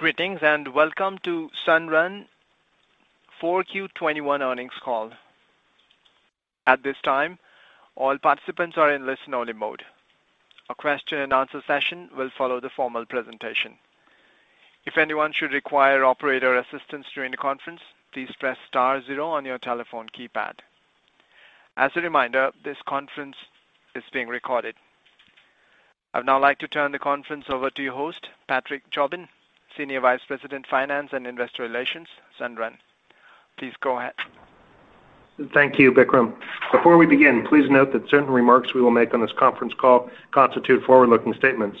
Greetings, and welcome to Sunrun 4Q 2021 earnings call. At this time, all participants are in listen-only mode. A question and answer session will follow the formal presentation. If anyone should require operator assistance during the conference, please press star zero on your telephone keypad. As a reminder, this conference is being recorded. I'd now like to turn the conference over to your host, Patrick Jobin, Senior Vice President, Finance & Investor Relations, Sunrun. Please go ahead. Thank you, Bikram. Before we begin, please note that certain remarks we will make on this conference call constitute forward-looking statements.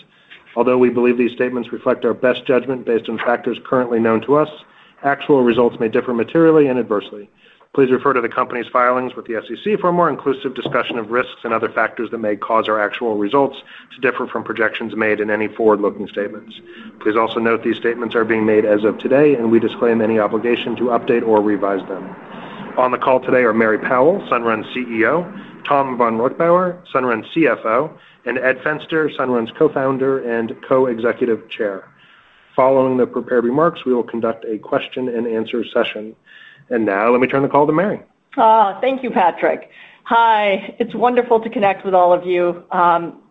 Although we believe these statements reflect our best judgment based on factors currently known to us, actual results may differ materially and adversely. Please refer to the company's filings with the SEC for a more inclusive discussion of risks and other factors that may cause our actual results to differ from projections made in any forward-looking statements. Please also note these statements are being made as of today, and we disclaim any obligation to update or revise them. On the call today are Mary Powell, Sunrun's CEO, Tom vonReichbauer, Sunrun's CFO, and Ed Fenster, Sunrun's Co-Founder and Co-Executive Chair. Following the prepared remarks, we will conduct a question and answer session. Now let me turn the call to Mary. Thank you, Patrick. Hi, it's wonderful to connect with all of you.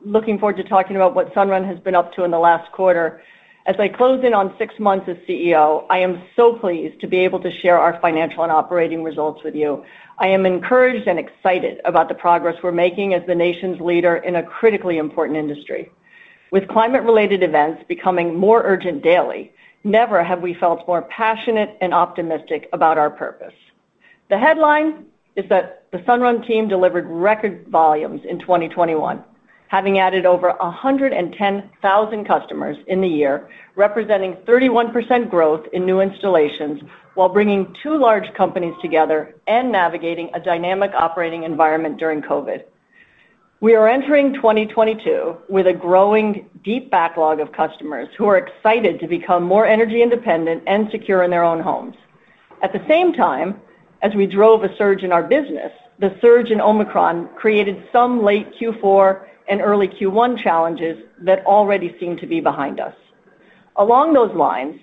Looking forward to talking about what Sunrun has been up to in the last quarter. As I close in on six months as CEO, I am so pleased to be able to share our financial and operating results with you. I am encouraged and excited about the progress we're making as the nation's leader in a critically important industry. With climate-related events becoming more urgent daily, never have we felt more passionate and optimistic about our purpose. The headline is that the Sunrun team delivered record volumes in 2021, having added over 110,000 customers in the year, representing 31% growth in new installations while bringing two large companies together and navigating a dynamic operating environment during COVID. We are entering 2022 with a growing deep backlog of customers who are excited to become more energy independent and secure in their own homes. At the same time, as we drove a surge in our business, the surge in Omicron created some late Q4 and early Q1 challenges that already seem to be behind us. Along those lines,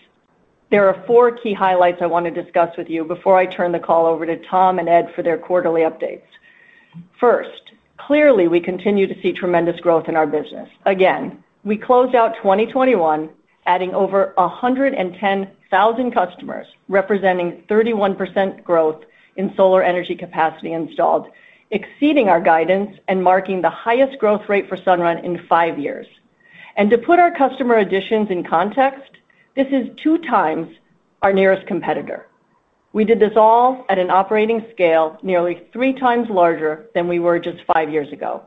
there are four key highlights I wanna discuss with you before I turn the call over to Tom and Ed for their quarterly updates. First, clearly, we continue to see tremendous growth in our business. Again, we closed out 2021 adding over 110,000 customers, representing 31% growth in solar energy capacity installed, exceeding our guidance and marking the highest growth rate for Sunrun in five years. To put our customer additions in context, this is 2x our nearest competitor. We did this all at an operating scale nearly 3x larger than we were just five years ago.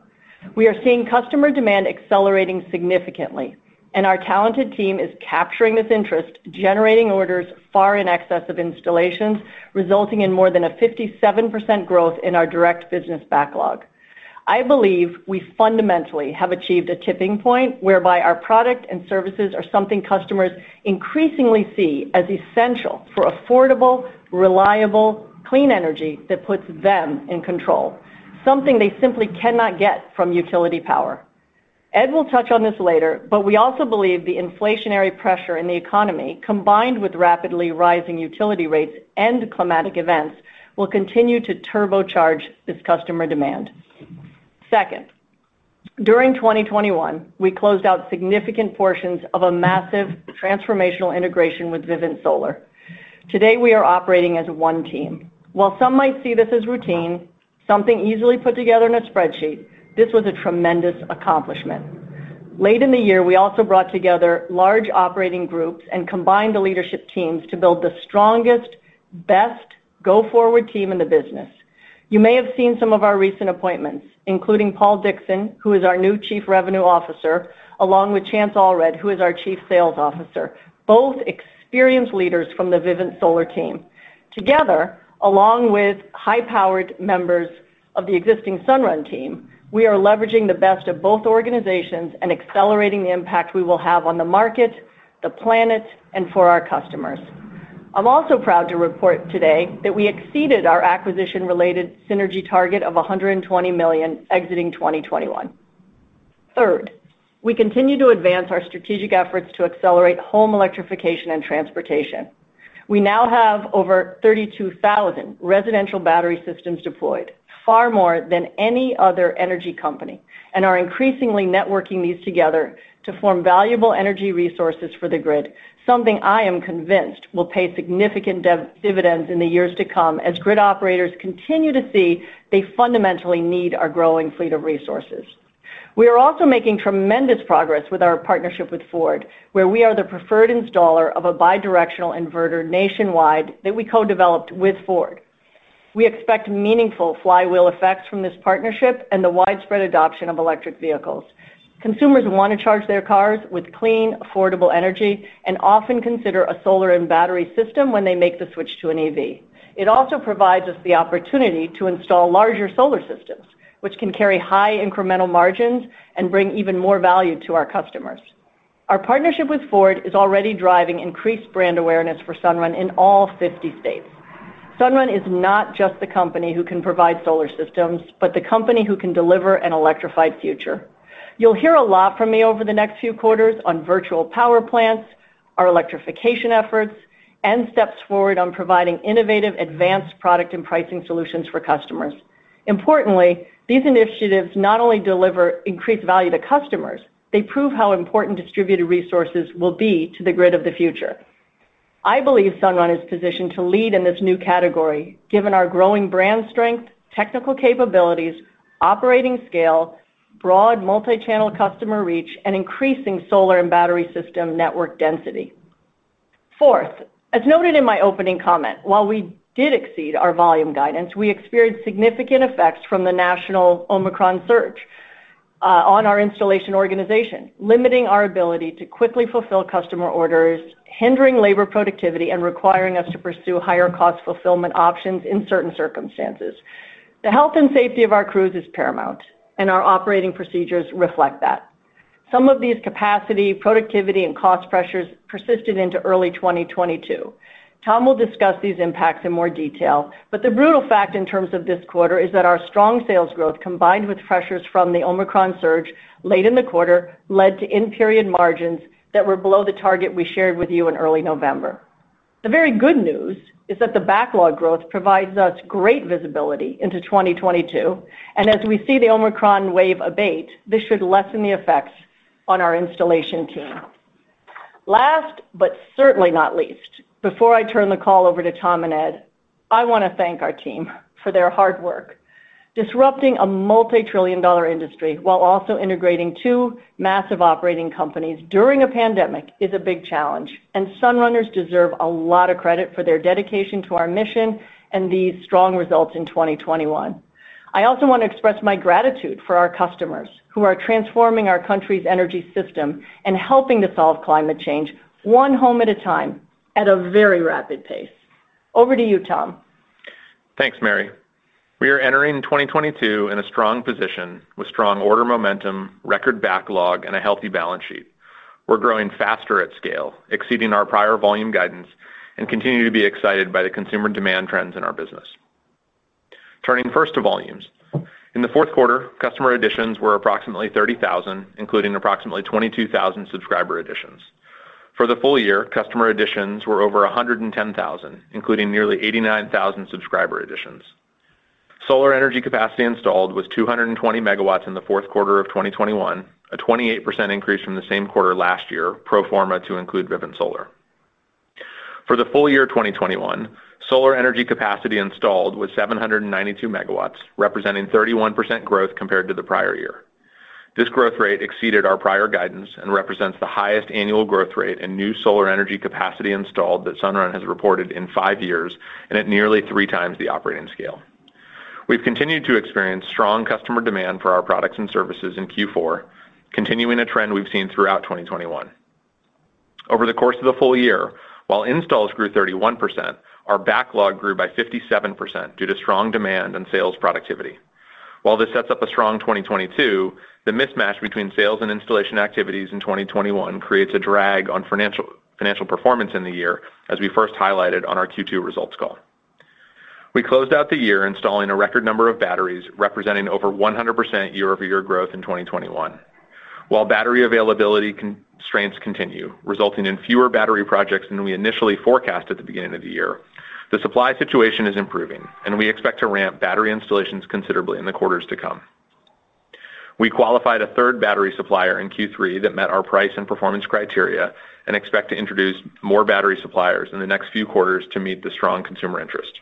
We are seeing customer demand accelerating significantly, and our talented team is capturing this interest, generating orders far in excess of installations, resulting in more than a 57% growth in our direct business backlog. I believe we fundamentally have achieved a tipping point whereby our product and services are something customers increasingly see as essential for affordable, reliable, clean energy that puts them in control, something they simply cannot get from utility power. Ed will touch on this later, but we also believe the inflationary pressure in the economy, combined with rapidly rising utility rates and climatic events will continue to turbocharge this customer demand. Second, during 2021, we closed out significant portions of a massive transformational integration with Vivint Solar. Today, we are operating as one team. While some might see this as routine, something easily put together in a spreadsheet, this was a tremendous accomplishment. Late in the year, we also brought together large operating groups and combined the leadership teams to build the strongest, best go-forward team in the business. You may have seen some of our recent appointments, including Paul Dickson, who is our new Chief Revenue Officer, along with Chance Allred, who is our Chief Sales Officer, both experienced leaders from the Vivint Solar team. Together, along with high-powered members of the existing Sunrun team, we are leveraging the best of both organizations and accelerating the impact we will have on the market, the planet, and for our customers. I'm also proud to report today that we exceeded our acquisition-related synergy target of $120 million exiting 2021. Third, we continue to advance our strategic efforts to accelerate home electrification and transportation. We now have over 32,000 residential battery systems deployed, far more than any other energy company, and are increasingly networking these together to form valuable energy resources for the grid, something I am convinced will pay significant dividends in the years to come as grid operators continue to see they fundamentally need our growing fleet of resources. We are also making tremendous progress with our partnership with Ford, where we are the preferred installer of a bidirectional inverter nationwide that we co-developed with Ford. We expect meaningful flywheel effects from this partnership and the widespread adoption of electric vehicles. Consumers wanna charge their cars with clean, affordable energy and often consider a solar and battery system when they make the switch to an EV. It also provides us the opportunity to install larger solar systems, which can carry high incremental margins and bring even more value to our customers. Our partnership with Ford is already driving increased brand awareness for Sunrun in all 50 states. Sunrun is not just the company who can provide solar systems, but the company who can deliver an electrified future. You'll hear a lot from me over the next few quarters on virtual power plants, our electrification efforts, and steps forward on providing innovative advanced product and pricing solutions for customers. Importantly, these initiatives not only deliver increased value to customers, they prove how important distributed resources will be to the grid of the future. I believe Sunrun is positioned to lead in this new category, given our growing brand strength, technical capabilities, operating scale, broad multi-channel customer reach, and increasing solar and battery system network density. Fourth, as noted in my opening comment, while we did exceed our volume guidance, we experienced significant effects from the national Omicron surge on our installation organization, limiting our ability to quickly fulfill customer orders, hindering labor productivity, and requiring us to pursue higher cost fulfillment options in certain circumstances. The health and safety of our crews is paramount, and our operating procedures reflect that. Some of these capacity, productivity, and cost pressures persisted into early 2022. Tom will discuss these impacts in more detail, but the brutal fact in terms of this quarter is that our strong sales growth, combined with pressures from the Omicron surge late in the quarter, led to in-period margins that were below the target we shared with you in early November. The very good news is that the backlog growth provides us great visibility into 2022, and as we see the Omicron wave abate, this should lessen the effects on our installation team. Last, but certainly not least, before I turn the call over to Tom and Ed, I want to thank our team for their hard work. Disrupting a multi-trillion-dollar industry while also integrating two massive operating companies during a pandemic is a big challenge, and Sunrunners deserve a lot of credit for their dedication to our mission and these strong results in 2021. I also want to express my gratitude for our customers who are transforming our country's energy system and helping to solve climate change one home at a time at a very rapid pace. Over to you, Tom. Thanks, Mary. We are entering 2022 in a strong position with strong order momentum, record backlog, and a healthy balance sheet. We're growing faster at scale, exceeding our prior volume guidance, and continue to be excited by the consumer demand trends in our business. Turning first to volumes. In the fourth quarter, customer additions were approximately 30,000, including approximately 22,000 subscriber additions. For the full year, customer additions were over 110,000, including nearly 89,000 subscriber additions. Solar energy capacity installed was 220 MW in the fourth quarter of 2021, a 28% increase from the same quarter last year, pro forma to include Vivint Solar. For the full year 2021, solar energy capacity installed was 792 MW, representing 31% growth compared to the prior year. This growth rate exceeded our prior guidance and represents the highest annual growth rate in new solar energy capacity installed that Sunrun has reported in five years, and at nearly 3x the operating scale. We've continued to experience strong customer demand for our products and services in Q4, continuing a trend we've seen throughout 2021. Over the course of the full year, while installs grew 31%, our backlog grew by 57% due to strong demand and sales productivity. While this sets up a strong 2022, the mismatch between sales and installation activities in 2021 creates a drag on financial performance in the year, as we first highlighted on our Q2 results call. We closed out the year installing a record number of batteries representing over 100% year-over-year growth in 2021. While battery availability constraints continue, resulting in fewer battery projects than we initially forecast at the beginning of the year, the supply situation is improving, and we expect to ramp battery installations considerably in the quarters to come. We qualified a third battery supplier in Q3 that met our price and performance criteria and expect to introduce more battery suppliers in the next few quarters to meet the strong consumer interest.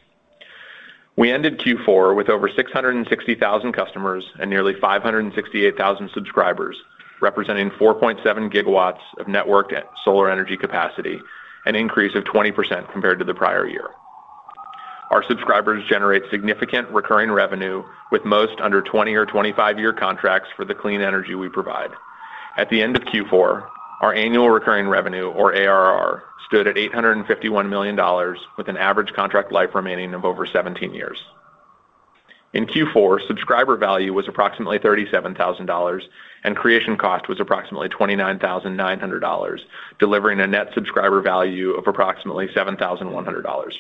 We ended Q4 with over 660,000 customers and nearly 568,000 subscribers, representing 4.7 GW of networked solar energy capacity, an increase of 20% compared to the prior year. Our subscribers generate significant recurring revenue with most under 20 or 25-year contracts for the clean energy we provide. At the end of Q4, our annual recurring revenue, or ARR, stood at $851 million with an average contract life remaining of over 17 years. In Q4, subscriber value was approximately $37,000 and creation cost was approximately $29,900, delivering a net subscriber value of approximately $7,100.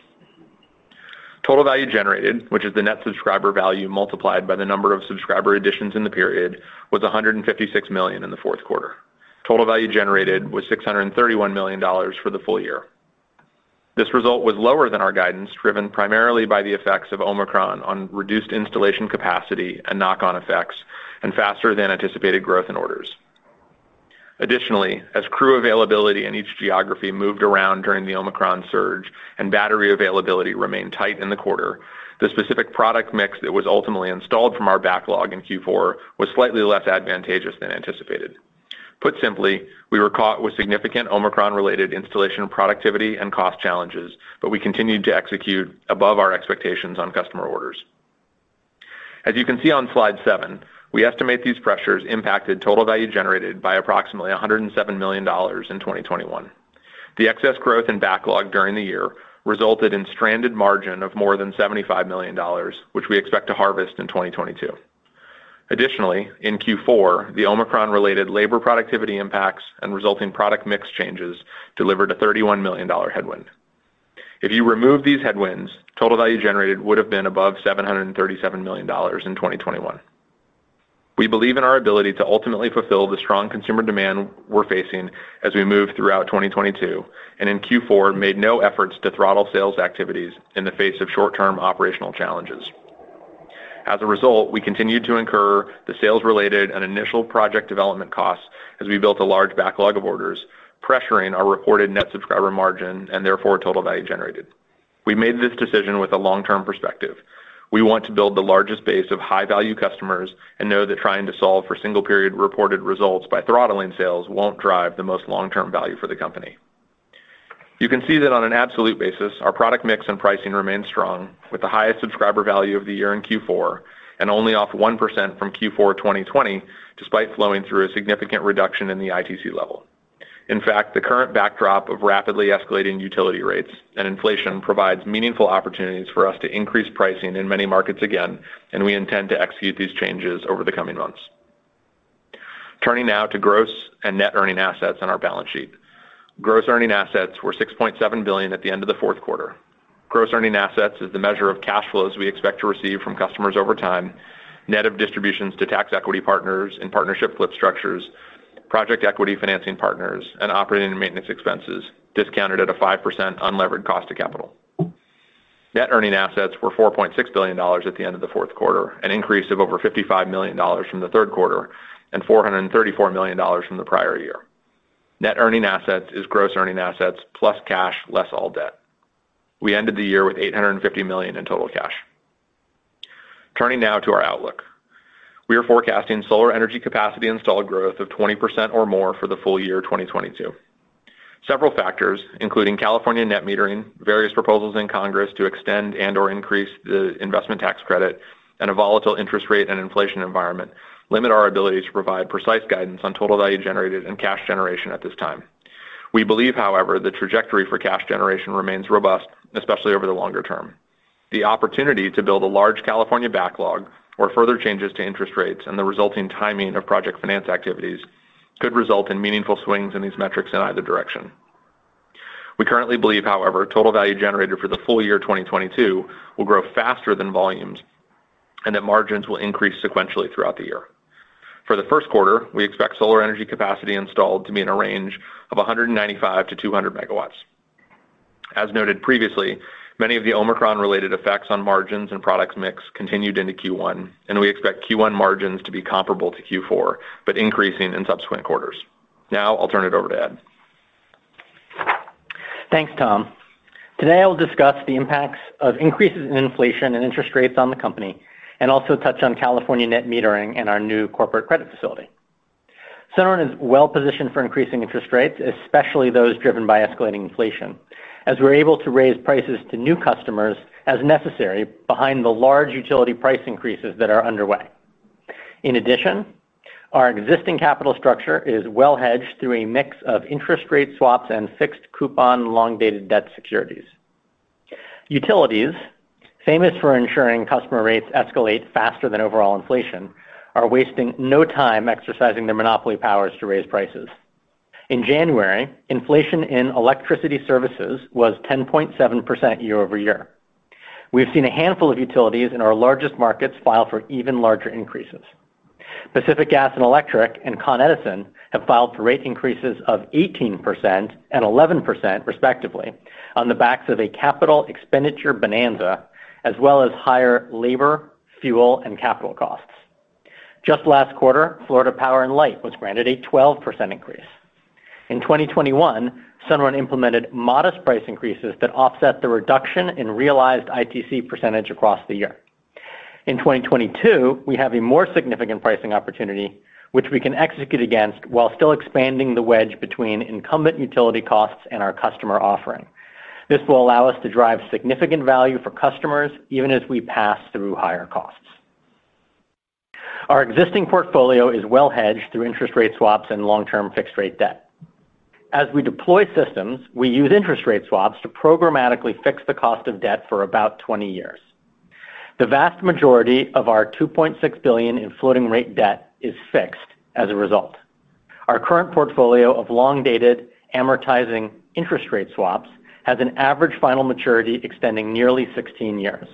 Total Value Generated, which is the net subscriber value multiplied by the number of subscriber additions in the period, was $156 million in the fourth quarter. Total Value Generated was $631 million for the full year. This result was lower than our guidance, driven primarily by the effects of Omicron on reduced installation capacity and knock-on effects, and faster than anticipated growth in orders. Additionally, as crew availability in each geography moved around during the Omicron surge and battery availability remained tight in the quarter, the specific product mix that was ultimately installed from our backlog in Q4 was slightly less advantageous than anticipated. Put simply, we were caught with significant Omicron-related installation productivity and cost challenges, but we continued to execute above our expectations on customer orders. As you can see on slide seven, we estimate these pressures impacted Total Value Generated by approximately $107 million in 2021. The excess growth in backlog during the year resulted in stranded margin of more than $75 million, which we expect to harvest in 2022. Additionally, in Q4, the Omicron-related labor productivity impacts and resulting product mix changes delivered a $31 million headwind. If you remove these headwinds, Total Value Generated would have been above $737 million in 2021. We believe in our ability to ultimately fulfill the strong consumer demand we're facing as we move throughout 2022, and in Q4 we made no efforts to throttle sales activities in the face of short-term operational challenges. As a result, we continued to incur the sales related and initial project development costs as we built a large backlog of orders, pressuring our reported net subscriber margin and therefore Total Value Generated. We made this decision with a long-term perspective. We want to build the largest base of high-value customers and know that trying to solve for single period reported results by throttling sales won't drive the most long-term value for the company. You can see that on an absolute basis, our product mix and pricing remains strong with the highest Subscriber Value of the year in Q4 and only off 1% from Q4 2020, despite flowing through a significant reduction in the ITC level. In fact, the current backdrop of rapidly escalating utility rates and inflation provides meaningful opportunities for us to increase pricing in many markets again, and we intend to execute these changes over the coming months. Turning now to Gross and Net Earning Assets on our balance sheet. Gross Earning Assets were $6.7 billion at the end of the fourth quarter. Gross Earning Assets is the measure of cash flows we expect to receive from customers over time, net of distributions to tax equity partners in partnership flip structures, project equity financing partners, and operating and maintenance expenses discounted at a 5% unlevered cost of capital. Net Earning Assets were $4.6 billion at the end of the fourth quarter, an increase of over $55 million from the third quarter, and $434 million from the prior year. Net Earning Assets is Gross Earning Assets, plus cash, less all debt. We ended the year with $850 million in total cash. Turning now to our outlook. We are forecasting solar energy capacity installed growth of 20% or more for the full year 2022. Several factors, including California net metering, various proposals in Congress to extend and or increase the investment tax credit, and a volatile interest rate and inflation environment limit our ability to provide precise guidance on Total Value Generated and cash generation at this time. We believe, however, the trajectory for cash generation remains robust, especially over the longer term. The opportunity to build a large California backlog or further changes to interest rates and the resulting timing of project finance activities could result in meaningful swings in these metrics in either direction. We currently believe, however, Total Value Generated for the full year 2022 will grow faster than volumes and that margins will increase sequentially throughout the year. For the first quarter, we expect solar energy capacity installed to be in a range of 195 MW-200 MW. As noted previously, many of the Omicron-related effects on margins and product mix continued into Q1, and we expect Q1 margins to be comparable to Q4, but increasing in subsequent quarters. Now I'll turn it over to Ed. Thanks, Tom. Today, I will discuss the impacts of increases in inflation and interest rates on the company and also touch on California net metering and our new corporate credit facility. Sunrun is well positioned for increasing interest rates, especially those driven by escalating inflation, as we're able to raise prices to new customers as necessary behind the large utility price increases that are underway. In addition, our existing capital structure is well hedged through a mix of interest rate swaps and fixed coupon long-dated debt securities. Utilities, famous for ensuring customer rates escalate faster than overall inflation, are wasting no time exercising their monopoly powers to raise prices. In January, inflation in electricity services was 10.7% year-over-year. We have seen a handful of utilities in our largest markets file for even larger increases. Pacific Gas and Electric and Con Edison have filed for rate increases of 18% and 11%, respectively, on the backs of a capital expenditure bonanza, as well as higher labor, fuel, and capital costs. Just last quarter, Florida Power & Light was granted a 12% increase. In 2021, Sunrun implemented modest price increases that offset the reduction in realized ITC percentage across the year. In 2022, we have a more significant pricing opportunity, which we can execute against while still expanding the wedge between incumbent utility costs and our customer offering. This will allow us to drive significant value for customers even as we pass through higher costs. Our existing portfolio is well hedged through interest rate swaps and long-term fixed rate debt. As we deploy systems, we use interest rate swaps to programmatically fix the cost of debt for about 20 years. The vast majority of our $2.6 billion in floating rate debt is fixed as a result. Our current portfolio of long-dated amortizing interest rate swaps has an average final maturity extending nearly 16 years.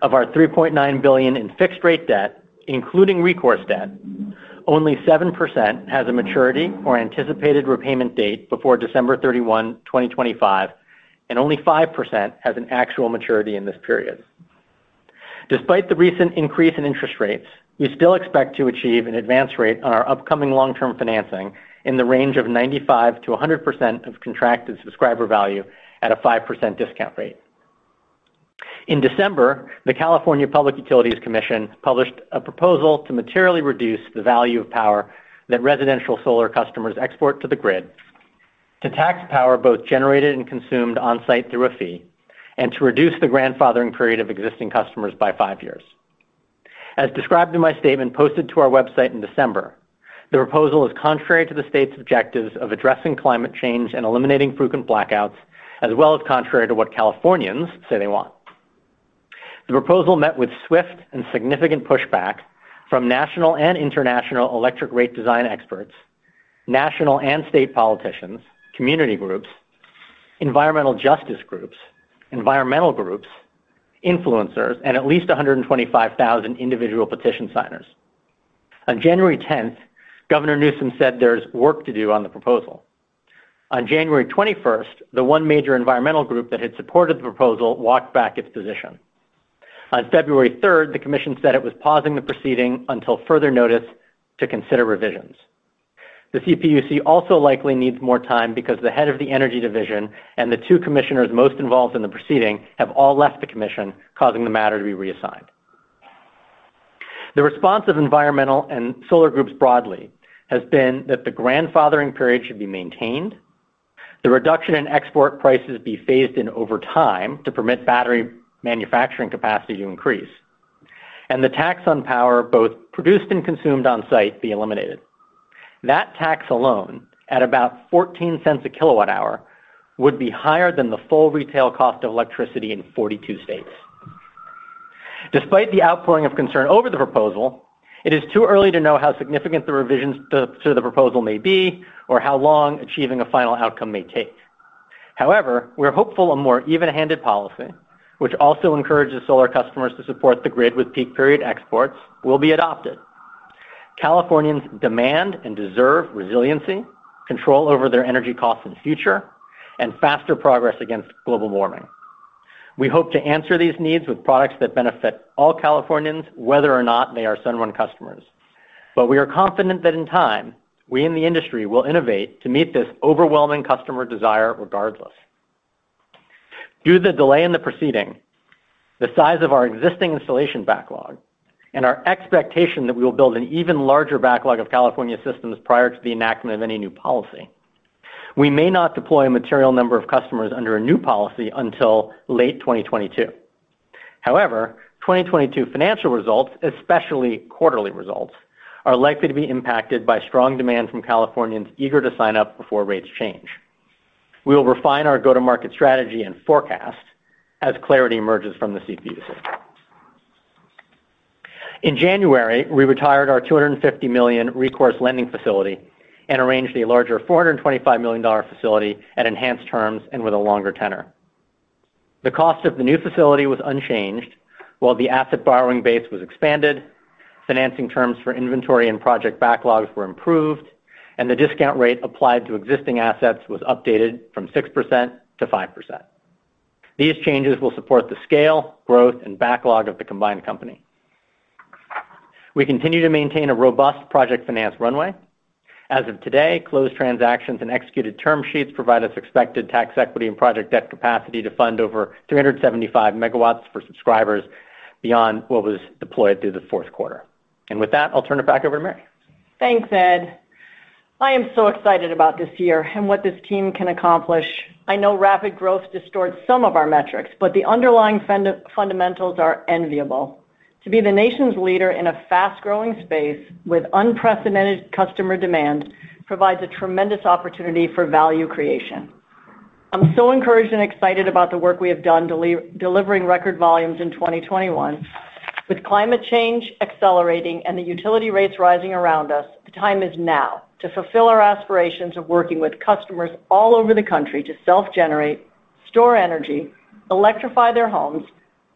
Of our $3.9 billion in fixed rate debt, including recourse debt, only 7% has a maturity or anticipated repayment date before December 31, 2025, and only 5% has an actual maturity in this period. Despite the recent increase in interest rates, we still expect to achieve an advance rate on our upcoming long-term financing in the range of 95%-100% of contracted Subscriber Value at a 5% discount rate. In December, the California Public Utilities Commission published a proposal to materially reduce the value of power that residential solar customers export to the grid to tax power both generated and consumed on-site through a fee and to reduce the grandfathering period of existing customers by five years. As described in my statement posted to our website in December. The proposal is contrary to the state's objectives of addressing climate change and eliminating frequent blackouts, as well as contrary to what Californians say they want. The proposal met with swift and significant pushback from national and international electric rate design experts, national and state politicians, community groups, environmental justice groups, environmental groups, influencers, and at least 125,000 individual petition signers. On January 10th, Governor Newsom said there's work to do on the proposal. On January 21st, the one major environmental group that had supported the proposal walked back its position. On February 3rd, the commission said it was pausing the proceeding until further notice to consider revisions. The CPUC also likely needs more time because the head of the energy division and the two commissioners most involved in the proceeding have all left the commission, causing the matter to be reassigned. The response of environmental and solar groups broadly has been that the grandfathering period should be maintained, the reduction in export prices be phased in over time to permit battery manufacturing capacity to increase, and the tax on power both produced and consumed on-site be eliminated. That tax alone, at about $0.14 a kilowatt-hour, would be higher than the full retail cost of electricity in 42 states. Despite the outpouring of concern over the proposal, it is too early to know how significant the revisions to the proposal may be or how long achieving a final outcome may take. However, we're hopeful a more even-handed policy, which also encourages solar customers to support the grid with peak period exports, will be adopted. Californians demand and deserve resiliency, control over their energy costs and future, and faster progress against global warming. We hope to answer these needs with products that benefit all Californians, whether or not they are Sunrun customers. We are confident that in time, we in the industry will innovate to meet this overwhelming customer desire regardless. Due to the delay in the proceeding, the size of our existing installation backlog, and our expectation that we will build an even larger backlog of California systems prior to the enactment of any new policy, we may not deploy a material number of customers under a new policy until late 2022. However, 2022 financial results, especially quarterly results, are likely to be impacted by strong demand from Californians eager to sign up before rates change. We will refine our go-to-market strategy and forecast as clarity emerges from the CPUC. In January, we retired our $250 million recourse lending facility and arranged a larger $425 million facility at enhanced terms and with a longer tenor. The cost of the new facility was unchanged while the asset borrowing base was expanded, financing terms for inventory and project backlogs were improved, and the discount rate applied to existing assets was updated from 6% to 5%. These changes will support the scale, growth, and backlog of the combined company. We continue to maintain a robust project finance runway. As of today, closed transactions and executed term sheets provide us expected tax equity and project debt capacity to fund over 375 MW for subscribers beyond what was deployed through the fourth quarter. With that, I'll turn it back over to Mary. Thanks, Ed. I am so excited about this year and what this team can accomplish. I know rapid growth distorts some of our metrics, but the underlying fundamentals are enviable. To be the nation's leader in a fast-growing space with unprecedented customer demand provides a tremendous opportunity for value creation. I'm so encouraged and excited about the work we have done delivering record volumes in 2021. With climate change accelerating and the utility rates rising around us, the time is now to fulfill our aspirations of working with customers all over the country to self-generate, store energy, electrify their homes,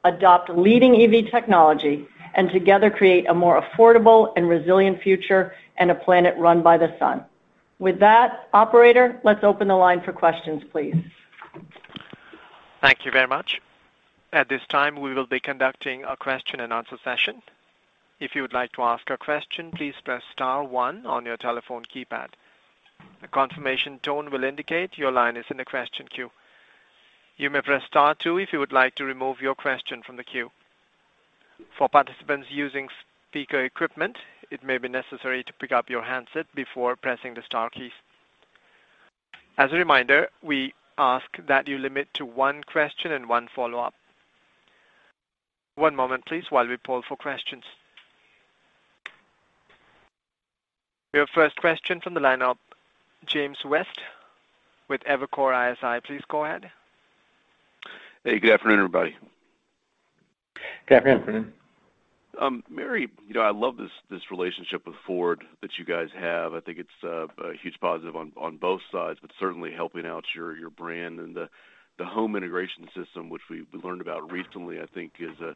adopt leading EV technology, and together create a more affordable and resilient future and a planet run by the sun. With that, operator, let's open the line for questions, please. Thank you very much. At this time, we will be conducting a question and answer session. If you would like to ask a question, please press star one on your telephone keypad. A confirmation tone will indicate your line is in the question queue. You may press star two if you would like to remove your question from the queue. For participants using speaker equipment, it may be necessary to pick up your handset before pressing the star keys. As a reminder, we ask that you limit to one question and one follow-up. One moment, please, while we poll for questions. Your first question from the line of James West with Evercore ISI. Please go ahead. Hey, good afternoon, everybody. Good afternoon. Good afternoon. Mary, you know, I love this relationship with Ford that you guys have. I think it's a huge positive on both sides, but certainly helping out your brand and the Home Integration System, which we learned about recently. I think it is a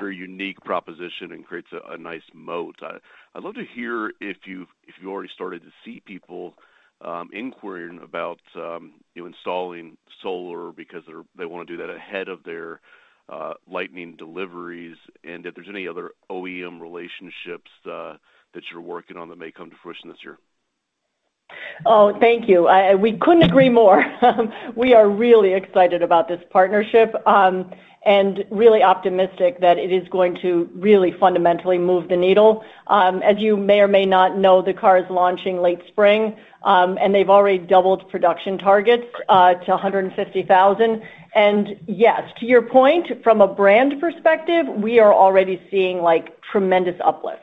very unique proposition and creates a nice moat. I'd love to hear if you've already started to see people inquiring about you installing solar because they wanna do that ahead of their Lightning deliveries, and if there's any other OEM relationships that you're working on that may come to fruition this year. Oh, thank you. We couldn't agree more. We are really excited about this partnership, and really optimistic that it is going to really fundamentally move the needle. As you may or may not know, the car is launching late spring, and they've already doubled production targets to 150,000. Yes, to your point, from a brand perspective, we are already seeing, like, tremendous uplift.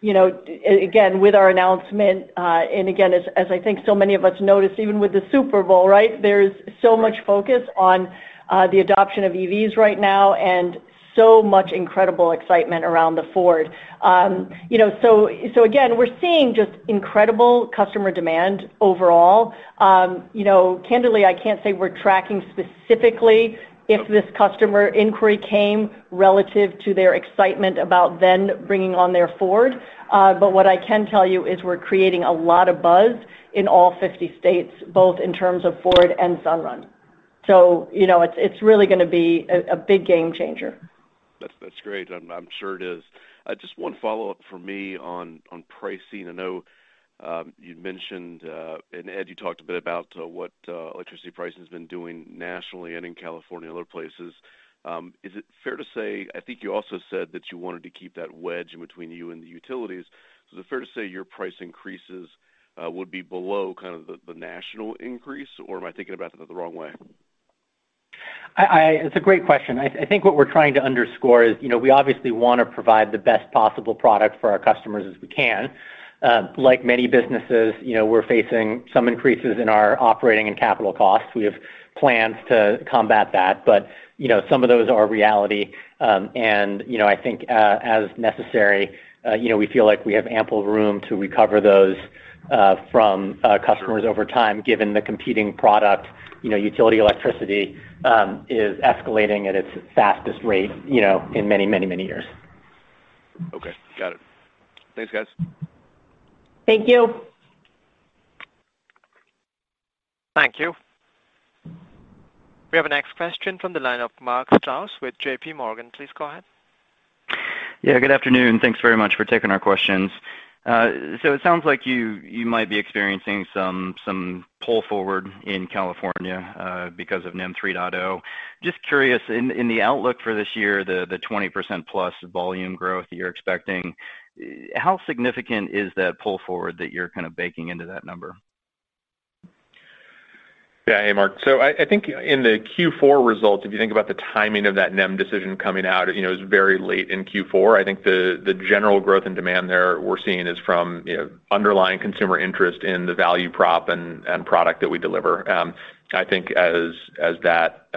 You know, again, with our announcement, and again, as I think so many of us noticed, even with the Super Bowl, right? There's so much focus on the adoption of EVs right now and so much incredible excitement around the Ford. You know, so again, we're seeing just incredible customer demand overall. You know, candidly, I can't say we're tracking specifically if this customer inquiry came relative to their excitement about then bringing on their Ford. But what I can tell you is we're creating a lot of buzz in all 50 states, both in terms of Ford and Sunrun. You know, it's really gonna be a big game changer. That's great. I'm sure it is. Just one follow-up from me on pricing. I know you'd mentioned and Ed, you talked a bit about what electricity pricing has been doing nationally and in California and other places. Is it fair to say I think you also said that you wanted to keep that wedge in between you and the utilities. Is it fair to say your price increases would be below kind of the national increase, or am I thinking about that the wrong way? It's a great question. I think what we're trying to underscore is, you know, we obviously wanna provide the best possible product for our customers as we can. Like many businesses, you know, we're facing some increases in our operating and capital costs. We have plans to combat that, but, you know, some of those are a reality. I think, as necessary, you know, we feel like we have ample room to recover those from customers over time, given the competing product, you know, utility electricity, is escalating at its fastest rate, you know, in many, many, many years. Okay. Got it. Thanks, guys. Thank you. Thank you. We have a next question from the line of Mark Strouse with JPMorgan. Please go ahead. Yeah, good afternoon. Thanks very much for taking our questions. It sounds like you might be experiencing some pull forward in California because of NEM 3.0. Just curious, in the outlook for this year, the 20%+ volume growth that you're expecting, how significant is that pull forward that you're kind of baking into that number? Yeah. Hey, Mark. I think in the Q4 results, if you think about the timing of that NEM decision coming out, you know, it was very late in Q4. I think the general growth and demand there we're seeing is from, you know, underlying consumer interest in the value prop and product that we deliver. I think as that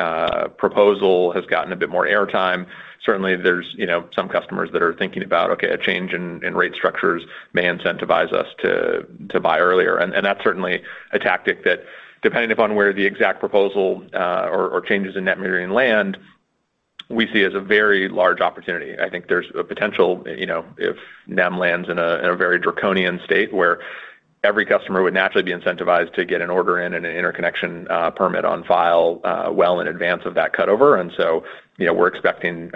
proposal has gotten a bit more airtime, certainly there's, you know, some customers that are thinking about, "Okay, a change in rate structures may incentivize us to buy earlier." That's certainly a tactic that depending upon where the exact proposal or changes in net metering land, we see as a very large opportunity. I think there's a potential, you know, if NEM lands in a very draconian state where every customer would naturally be incentivized to get an order in and an interconnection permit on file, well in advance of that cutover. You know, we're expecting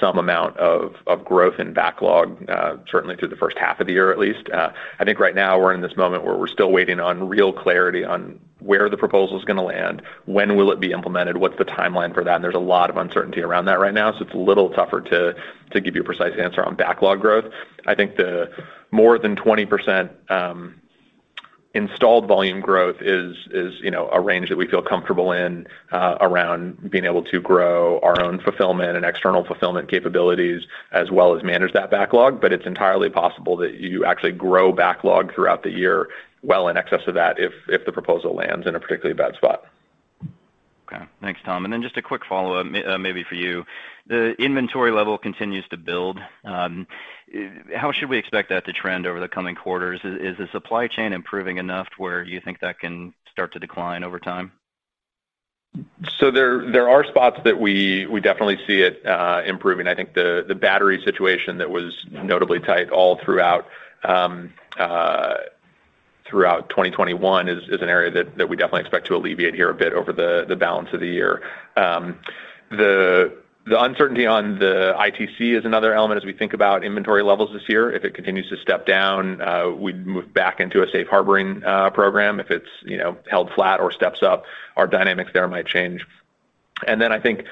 some amount of growth and backlog, certainly through the first half of the year, at least. I think right now we're in this moment where we're still waiting on real clarity on where the proposal's gonna land, when will it be implemented, what's the timeline for that, and there's a lot of uncertainty around that right now, so it's a little tougher to give you a precise answer on backlog growth. I think the more than 20% installed volume growth is, you know, a range that we feel comfortable in around being able to grow our own fulfillment and external fulfillment capabilities, as well as manage that backlog. It's entirely possible that you actually grow backlog throughout the year well in excess of that if the proposal lands in a particularly bad spot. Okay. Thanks, Tom. Just a quick follow-up maybe for you. The inventory level continues to build. How should we expect that to trend over the coming quarters? Is the supply chain improving enough to where you think that can start to decline over time? There are spots that we definitely see it improving. I think the battery situation that was notably tight all throughout 2021 is an area that we definitely expect to alleviate here a bit over the balance of the year. The uncertainty on the ITC is another element as we think about inventory levels this year. If it continues to step down, we'd move back into a safe harboring program. If it's, you know, held flat or steps up, our dynamics there might change. I think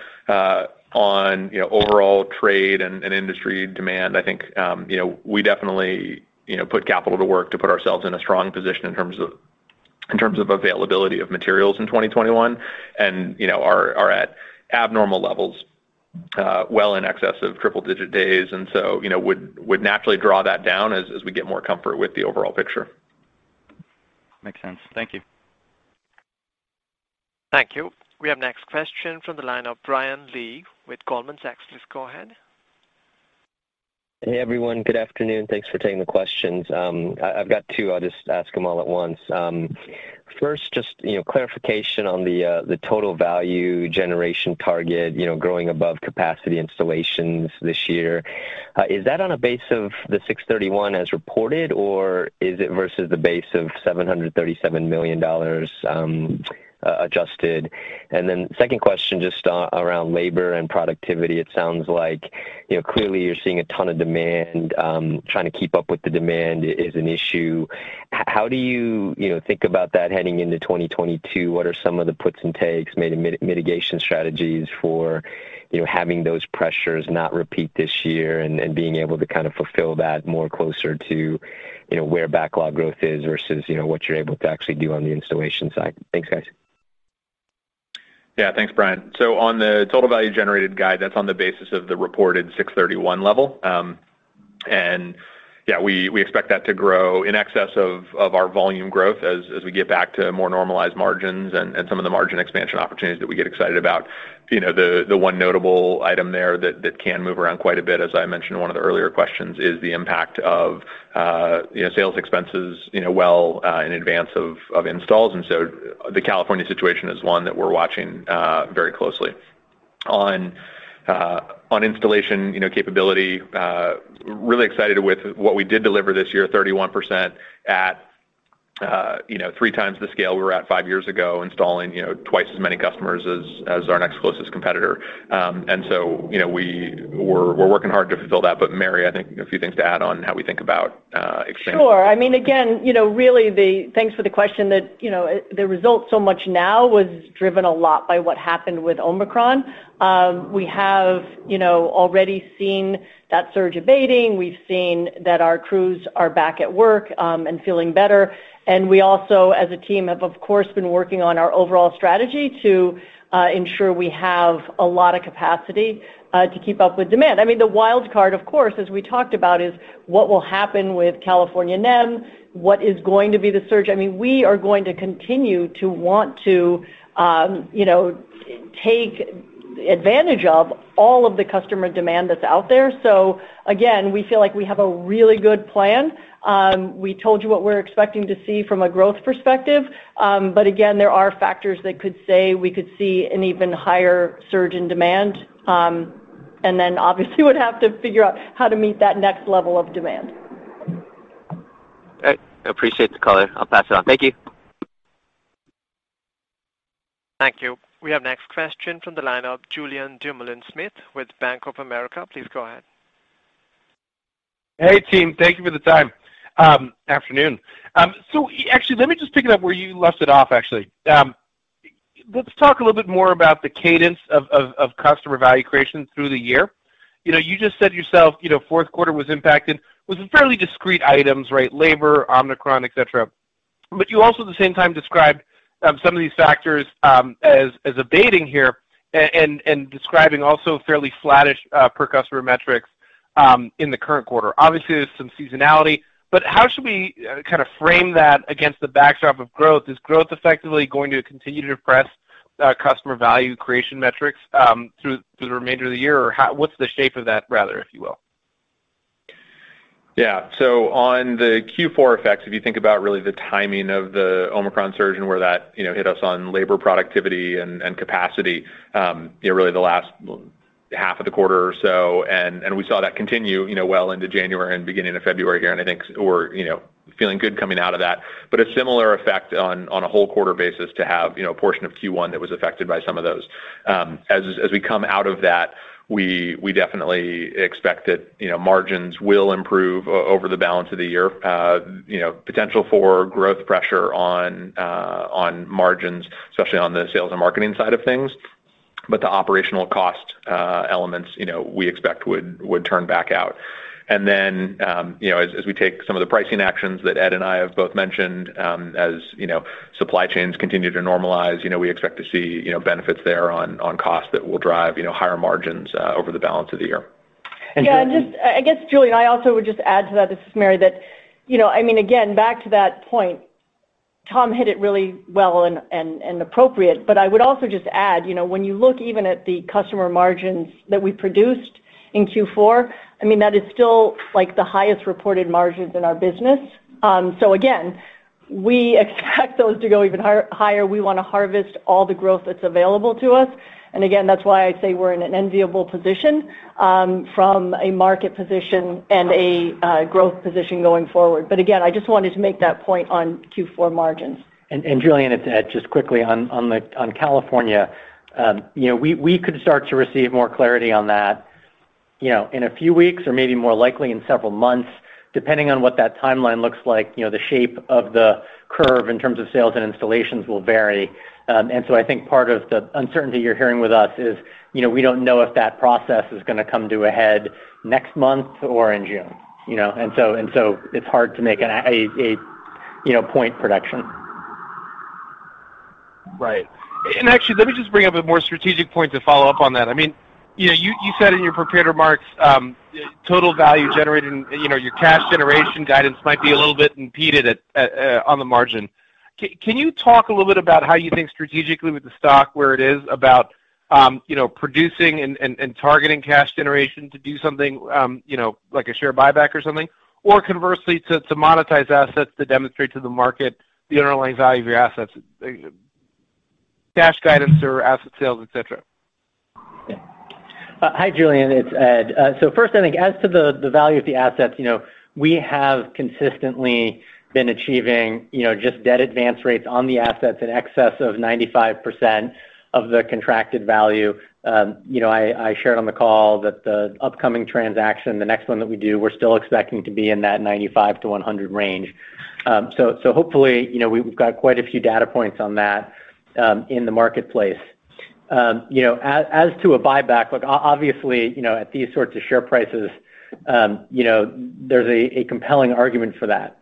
on, you know, overall trade and industry demand, I think, you know, we definitely, you know, put capital to work to put ourselves in a strong position in terms of availability of materials in 2021 and, you know, are at abnormal levels, well in excess of triple digit days. You know, would naturally draw that down as we get more comfort with the overall picture. Makes sense. Thank you. Thank you. We have next question from the line of Brian Lee with Goldman Sachs. Please go ahead. Hey, everyone. Good afternoon. Thanks for taking the questions. I've got two. I'll just ask them all at once. First, just, you know, clarification on the Total Value Generated target, you know, growing above capacity installations this year. Is that on a base of the $631 million as reported, or is it versus the base of $737 million, adjusted? And then second question, just, around labor and productivity. It sounds like, you know, clearly you're seeing a ton of demand, trying to keep up with the demand is an issue. How do you know, think about that heading into 2022? What are some of the puts and takes, mitigation strategies for, you know, having those pressures not repeat this year and being able to kind of fulfill that more closer to, you know, where backlog growth is versus, you know, what you're able to actually do on the installation side? Thanks, guys. Thanks, Brian. On the Total Value Generated guide, that's on the basis of the reported $631 million level. We expect that to grow in excess of our volume growth as we get back to more normalized margins and some of the margin expansion opportunities that we get excited about. You know, the one notable item there that can move around quite a bit, as I mentioned in one of the earlier questions, is the impact of you know, sales expenses you know, well in advance of installs. The California situation is one that we're watching very closely. On installation, you know, capability, really excited with what we did deliver this year, 31% at, you know, 3x the scale we were at five years ago, installing, you know, twice as many customers as our next closest competitor. You know, we're working hard to fulfill that. Mary, I think a few things to add on how we think about expansion. Sure. I mean, again, you know, really. Thanks for the question. That, you know, the results so far now was driven a lot by what happened with Omicron. We have, you know, already seen that surge abating. We've seen that our crews are back at work and feeling better. We also, as a team, have, of course, been working on our overall strategy to ensure we have a lot of capacity to keep up with demand. I mean, the wild card, of course, as we talked about, is what will happen with California NEM, what is going to be the surge. I mean, we are going to continue to want to, you know, take advantage of all of the customer demand that's out there. Again, we feel like we have a really good plan. We told you what we're expecting to see from a growth perspective. There are factors that could say we could see an even higher surge in demand, and then obviously would have to figure out how to meet that next level of demand. Great. I appreciate the color. I'll pass it on. Thank you. Thank you. We have next question from the line of Julien Dumoulin-Smith with Bank of America. Please go ahead. Hey, team. Thank you for the time. Afternoon. So actually, let me just pick it up where you left it off, actually. Let's talk a little bit more about the cadence of customer value creation through the year. You know, you just said yourself, you know, fourth quarter was impacted with some fairly discrete items, right? Labor, Omicron, et cetera. But you also, at the same time, described some of these factors as abating here and describing also fairly flattish per customer metrics in the current quarter. Obviously, there's some seasonality, but how should we kinda frame that against the backdrop of growth? Is growth effectively going to continue to depress customer value creation metrics through the remainder of the year? Or what's the shape of that, rather, if you will? On the Q4 effects, if you think about really the timing of the Omicron surge and where that, you know, hit us on labor productivity and capacity, you know, really the last half of the quarter or so, and we saw that continue, you know, well into January and beginning of February here. I think we're, you know, feeling good coming out of that. A similar effect on a whole quarter basis to have, you know, a portion of Q1 that was affected by some of those. As we come out of that, we definitely expect that, you know, margins will improve over the balance of the year. You know, potential for growth pressure on margins, especially on the sales and marketing side of things. The operational cost elements, you know, we expect would turn back out. Then, you know, as we take some of the pricing actions that Ed and I have both mentioned, as, you know, supply chains continue to normalize, you know, we expect to see, you know, benefits there on costs that will drive, you know, higher margins over the balance of the year. I guess, Julien, I also would just add to that. This is Mary. You know, I mean, again, back to that point, Tom hit it really well and appropriate. I would also just add, you know, when you look even at the customer margins that we produced in Q4, I mean, that is still, like, the highest reported margins in our business. So again, we expect those to go even higher. We wanna harvest all the growth that's available to us. That's why I say we're in an enviable position from a market position and a growth position going forward. I just wanted to make that point on Q4 margins. Julien, it's Ed. Just quickly on California, you know, we could start to receive more clarity on that, you know, in a few weeks or maybe more likely in several months. Depending on what that timeline looks like, you know, the shape of the curve in terms of sales and installations will vary. I think part of the uncertainty you're hearing with us is, you know, we don't know if that process is gonna come to a head next month or in June, you know. It's hard to make a point prediction. Right. Actually, let me just bring up a more strategic point to follow up on that. I mean, you know, you said in your prepared remarks, Total Value Generated, you know, your cash generation guidance might be a little bit impeded at on the margin. Can you talk a little bit about how you think strategically with the stock where it is about, you know, producing and targeting cash generation to do something, you know, like a share buyback or something? Or conversely, to monetize assets to demonstrate to the market the underlying value of your assets, cash guidance or asset sales, et cetera. Hi, Julien. It's Ed. First, I think as to the value of the assets, you know, we have consistently been achieving, you know, just debt advance rates on the assets in excess of 95% of the contracted value. I shared on the call that the upcoming transaction, the next one that we do, we're still expecting to be in that 95%-100% range. Hopefully, you know, we've got quite a few data points on that in the marketplace. You know, as to a buyback, look, obviously, you know, at these sorts of share prices, you know, there's a compelling argument for that.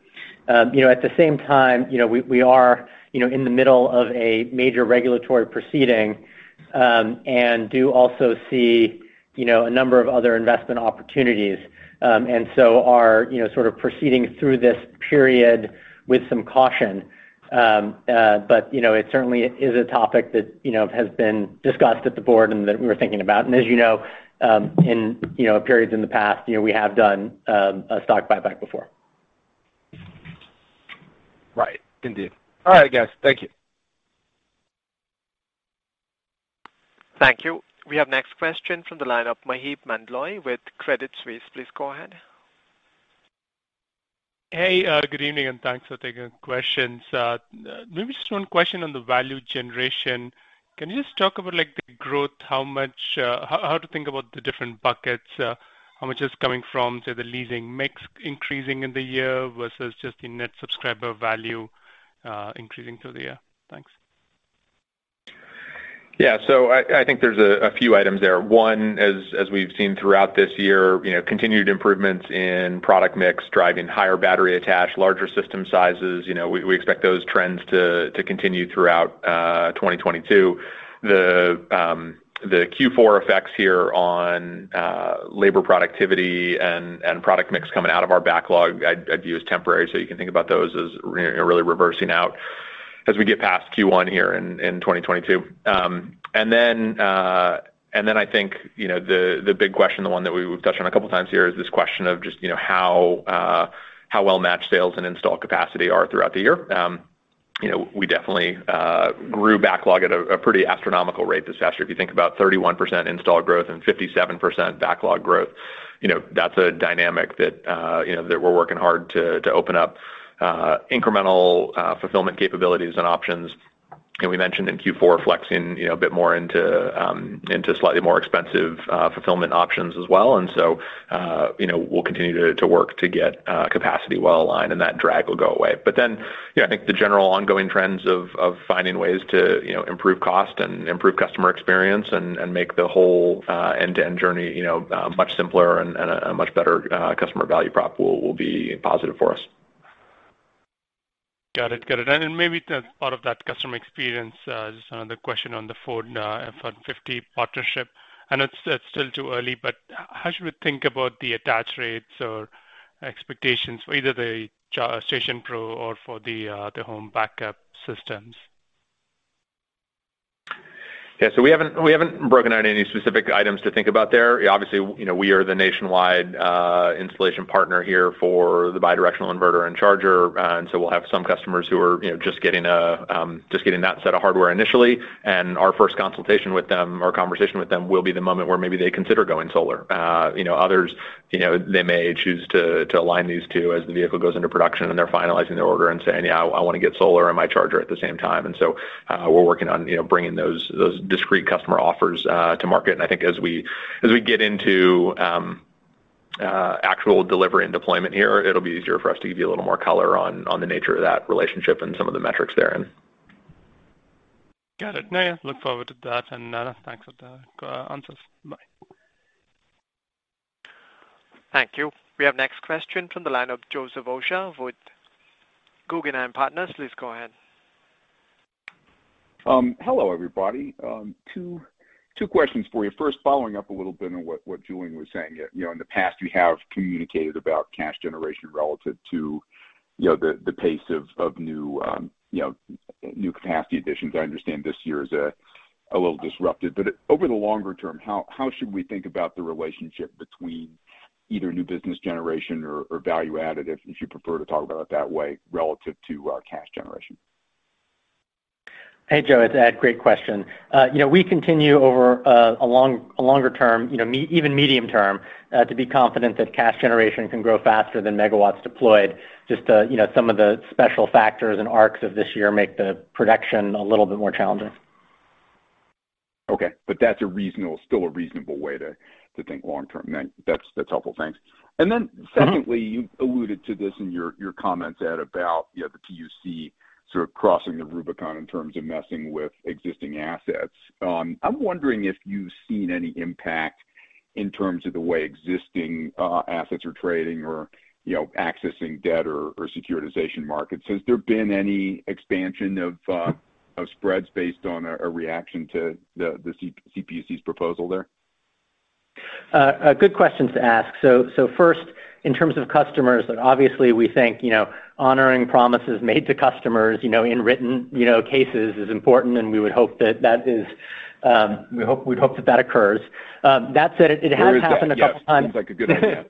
You know, at the same time, you know, we are, you know, in the middle of a major regulatory proceeding, and do also see, you know, a number of other investment opportunities, and so our, you know, sort of proceeding through this period with some caution. You know, it certainly is a topic that, you know, has been discussed at the board and that we're thinking about. As you know, in, you know, periods in the past, you know, we have done a stock buyback before. Right. Indeed. All right, guys. Thank you. Thank you. We have next question from the line of Maheep Mandloi with Credit Suisse. Please go ahead. Hey, good evening, and thanks for taking questions. Maybe just one question on the value generation. Can you just talk about, like, the growth, how much, how to think about the different buckets? How much is coming from, say, the leasing mix increasing in the year versus just the Net Subscriber Value increasing through the year? Thanks. Yeah. I think there's a few items there. One, as we've seen throughout this year, you know, continued improvements in product mix, driving higher battery attach, larger system sizes. You know, we expect those trends to continue throughout 2022. The Q4 effects here on labor productivity and product mix coming out of our backlog I'd view as temporary, so you can think about those as really reversing out as we get past Q1 here in 2022. Then I think, you know, the big question, the one that we've touched on a couple times here is this question of just, you know, how well matched sales and install capacity are throughout the year. You know, we definitely grew backlog at a pretty astronomical rate this year. If you think about 31% install growth and 57% backlog growth, you know, that's a dynamic that we're working hard to open up incremental fulfillment capabilities and options. We mentioned in Q4 flexing you know, a bit more into slightly more expensive fulfillment options as well. You know, we'll continue to work to get capacity well aligned, and that drag will go away. You know, I think the general ongoing trends of finding ways to you know, improve cost and improve customer experience and make the whole end-to-end journey you know much simpler and a much better customer value prop will be positive for us. Got it. Maybe as part of that customer experience, just another question on the Ford F-150 partnership. I know it's still too early, but how should we think about the attach rates or expectations for either the Charge Station Pro or for the home backup systems? We haven't broken out any specific items to think about there. Obviously, you know, we are the nationwide installation partner here for the bidirectional inverter and charger. We'll have some customers who are, you know, just getting that set of hardware initially, and our first consultation with them or conversation with them will be the moment where maybe they consider going solar. You know, others, you know, they may choose to align these two as the vehicle goes into production and they're finalizing their order and saying, "Yeah, I wanna get solar and my charger at the same time." We're working on, you know, bringing those discrete customer offers to market. I think as we get into actual delivery and deployment here, it'll be easier for us to give you a little more color on the nature of that relationship and some of the metrics therein. Got it. No, yeah, look forward to that. Thanks for the answers. Bye. Thank you. We have next question from the line of Joseph Osha with Guggenheim Partners. Please go ahead. Hello, everybody. Two questions for you. First, following up a little bit on what Julien was saying. You know, in the past, you have communicated about cash generation relative to, you know, the pace of new capacity additions. I understand this year is a little disrupted. Over the longer term, how should we think about the relationship between either new business generation or value added, if you prefer to talk about it that way, relative to cash generation? Hey, Joe. It's Ed. Great question. You know, we continue over a longer term, you know, even medium term, to be confident that cash generation can grow faster than megawatts deployed. Just, you know, some of the special factors and arcs of this year make the production a little bit more challenging. Okay. That's a reasonable, still a reasonable way to think long term then. That's helpful. Thanks. Secondly, you alluded to this in your comments, Ed, about you know, the PUC sort of crossing the Rubicon in terms of messing with existing assets. I'm wondering if you've seen any impact in terms of the way existing assets are trading or, you know, accessing debt or securitization markets. Has there been any expansion of spreads based on a reaction to the CPUC's proposal there? A good question to ask. First, in terms of customers, obviously we think, you know, honoring promises made to customers, you know, in written, you know, cases is important, and we would hope that is, we'd hope that occurs. That said, it has happened a couple times. Yes. Seems like a good idea.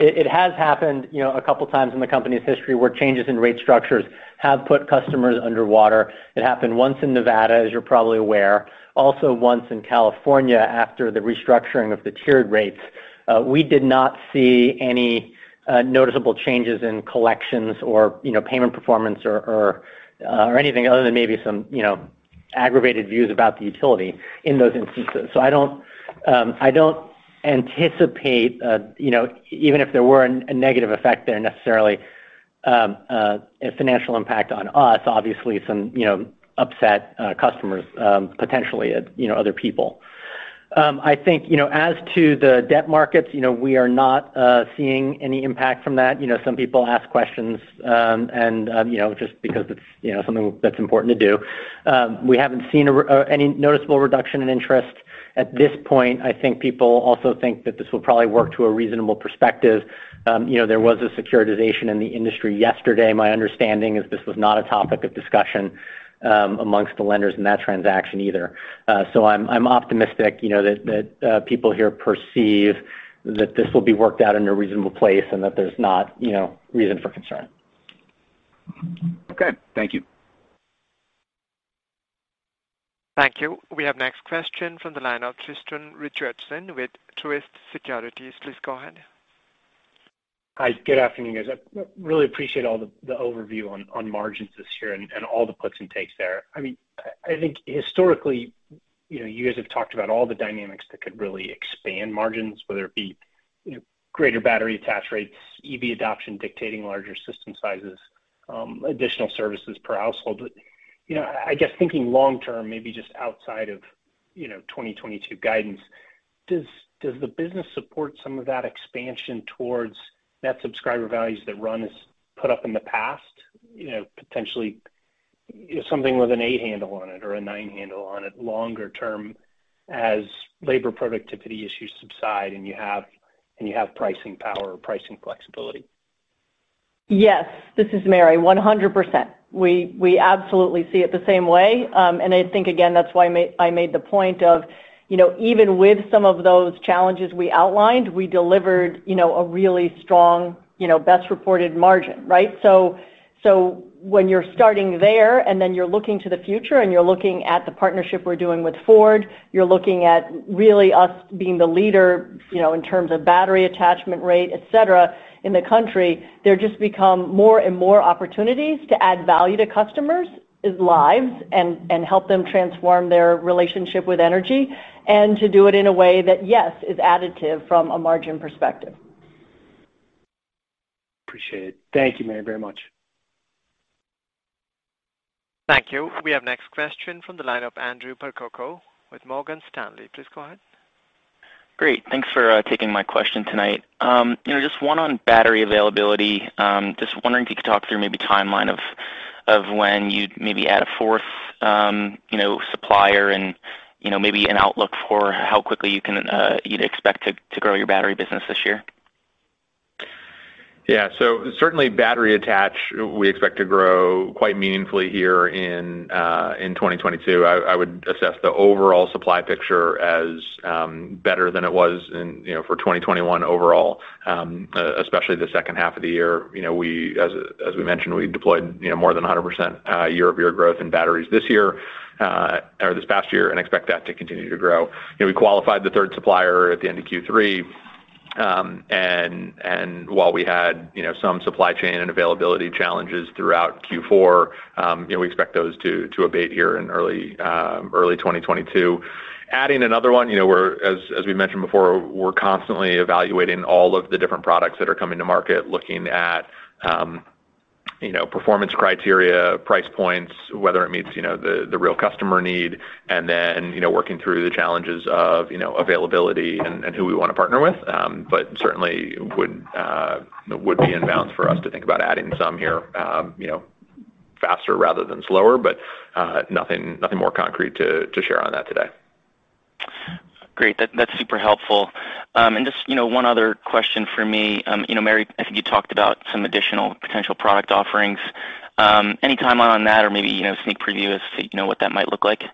It has happened, you know, a couple times in the company's history where changes in rate structures have put customers underwater. It happened once in Nevada, as you're probably aware. Also once in California after the restructuring of the tiered rates. We did not see any noticeable changes in collections or, you know, payment performance or anything other than maybe some, you know, aggravated views about the utility in those instances. I don't anticipate, you know, even if there were a negative effect there necessarily. A financial impact on us, obviously some, you know, upset, customers, potentially, you know, other people. I think, you know, as to the debt markets, you know, we are not seeing any impact from that. You know, some people ask questions, and, you know, just because it's, you know, something that's important to do. We haven't seen any noticeable reduction in interest at this point. I think people also think that this will probably work to a reasonable perspective. You know, there was a securitization in the industry yesterday. My understanding is this was not a topic of discussion, amongst the lenders in that transaction either. I'm optimistic, you know, that people here perceive that this will be worked out in a reasonable place and that there's not, you know, reason for concern. Okay, thank you. Thank you. We have next question from the line of Tristan Richardson with Truist Securities. Please go ahead. Hi. Good afternoon, guys. I really appreciate all the overview on margins this year and all the puts and takes there. I mean, I think historically, you know, you guys have talked about all the dynamics that could really expand margins, whether it be, you know, greater battery attach rates, EV adoption dictating larger system sizes, additional services per household. You know, I guess thinking long term, maybe just outside of, you know, 2022 guidance, does the business support some of that expansion towards Net Subscriber Value that Sunrun has put up in the past, you know, potentially something with an eight handle on it or a nine handle on it longer term as labor productivity issues subside and you have pricing power or pricing flexibility? Yes. This is Mary. 100%. We absolutely see it the same way. I think, again, that's why I made the point of, you know, even with some of those challenges we outlined, we delivered, you know, a really strong, you know, best reported margin, right? When you're starting there, and then you're looking to the future, and you're looking at the partnership we're doing with Ford, you're looking at really us being the leader, you know, in terms of battery attachment rate, et cetera, in the country, there just become more and more opportunities to add value to customers' lives and help them transform their relationship with energy and to do it in a way that, yes, is additive from a margin perspective. Appreciate it. Thank you, Mary, very much. Thank you. We have next question from the line of Andrew Percoco with Morgan Stanley. Please go ahead. Great. Thanks for taking my question tonight. You know, just one on battery availability. Just wondering if you could talk through maybe timeline of when you'd maybe add a fourth, you know, supplier and, you know, maybe an outlook for how quickly you'd expect to grow your battery business this year. Yeah. Certainly battery attach we expect to grow quite meaningfully here in 2022. I would assess the overall supply picture as better than it was in, you know, for 2021 overall, especially the second half of the year. You know, we, as we mentioned, we deployed, you know, more than 100% year-over-year growth in batteries this year or this past year, and expect that to continue to grow. You know, we qualified the third supplier at the end of Q3. While we had, you know, some supply chain and availability challenges throughout Q4, you know, we expect those to abate here in early 2022. Adding another one, you know, we're as we mentioned before, we're constantly evaluating all of the different products that are coming to market, looking at, you know, performance criteria, price points, whether it meets, you know, the real customer need, and then, you know, working through the challenges of, you know, availability and who we wanna partner with. Certainly would be in bounds for us to think about adding some here, you know, faster rather than slower. Nothing more concrete to share on that today. Great. That's super helpful. Just, you know, one other question for me. You know, Mary, I think you talked about some additional potential product offerings. Any timeline on that or maybe, you know, sneak preview as to, you know, what that might look like?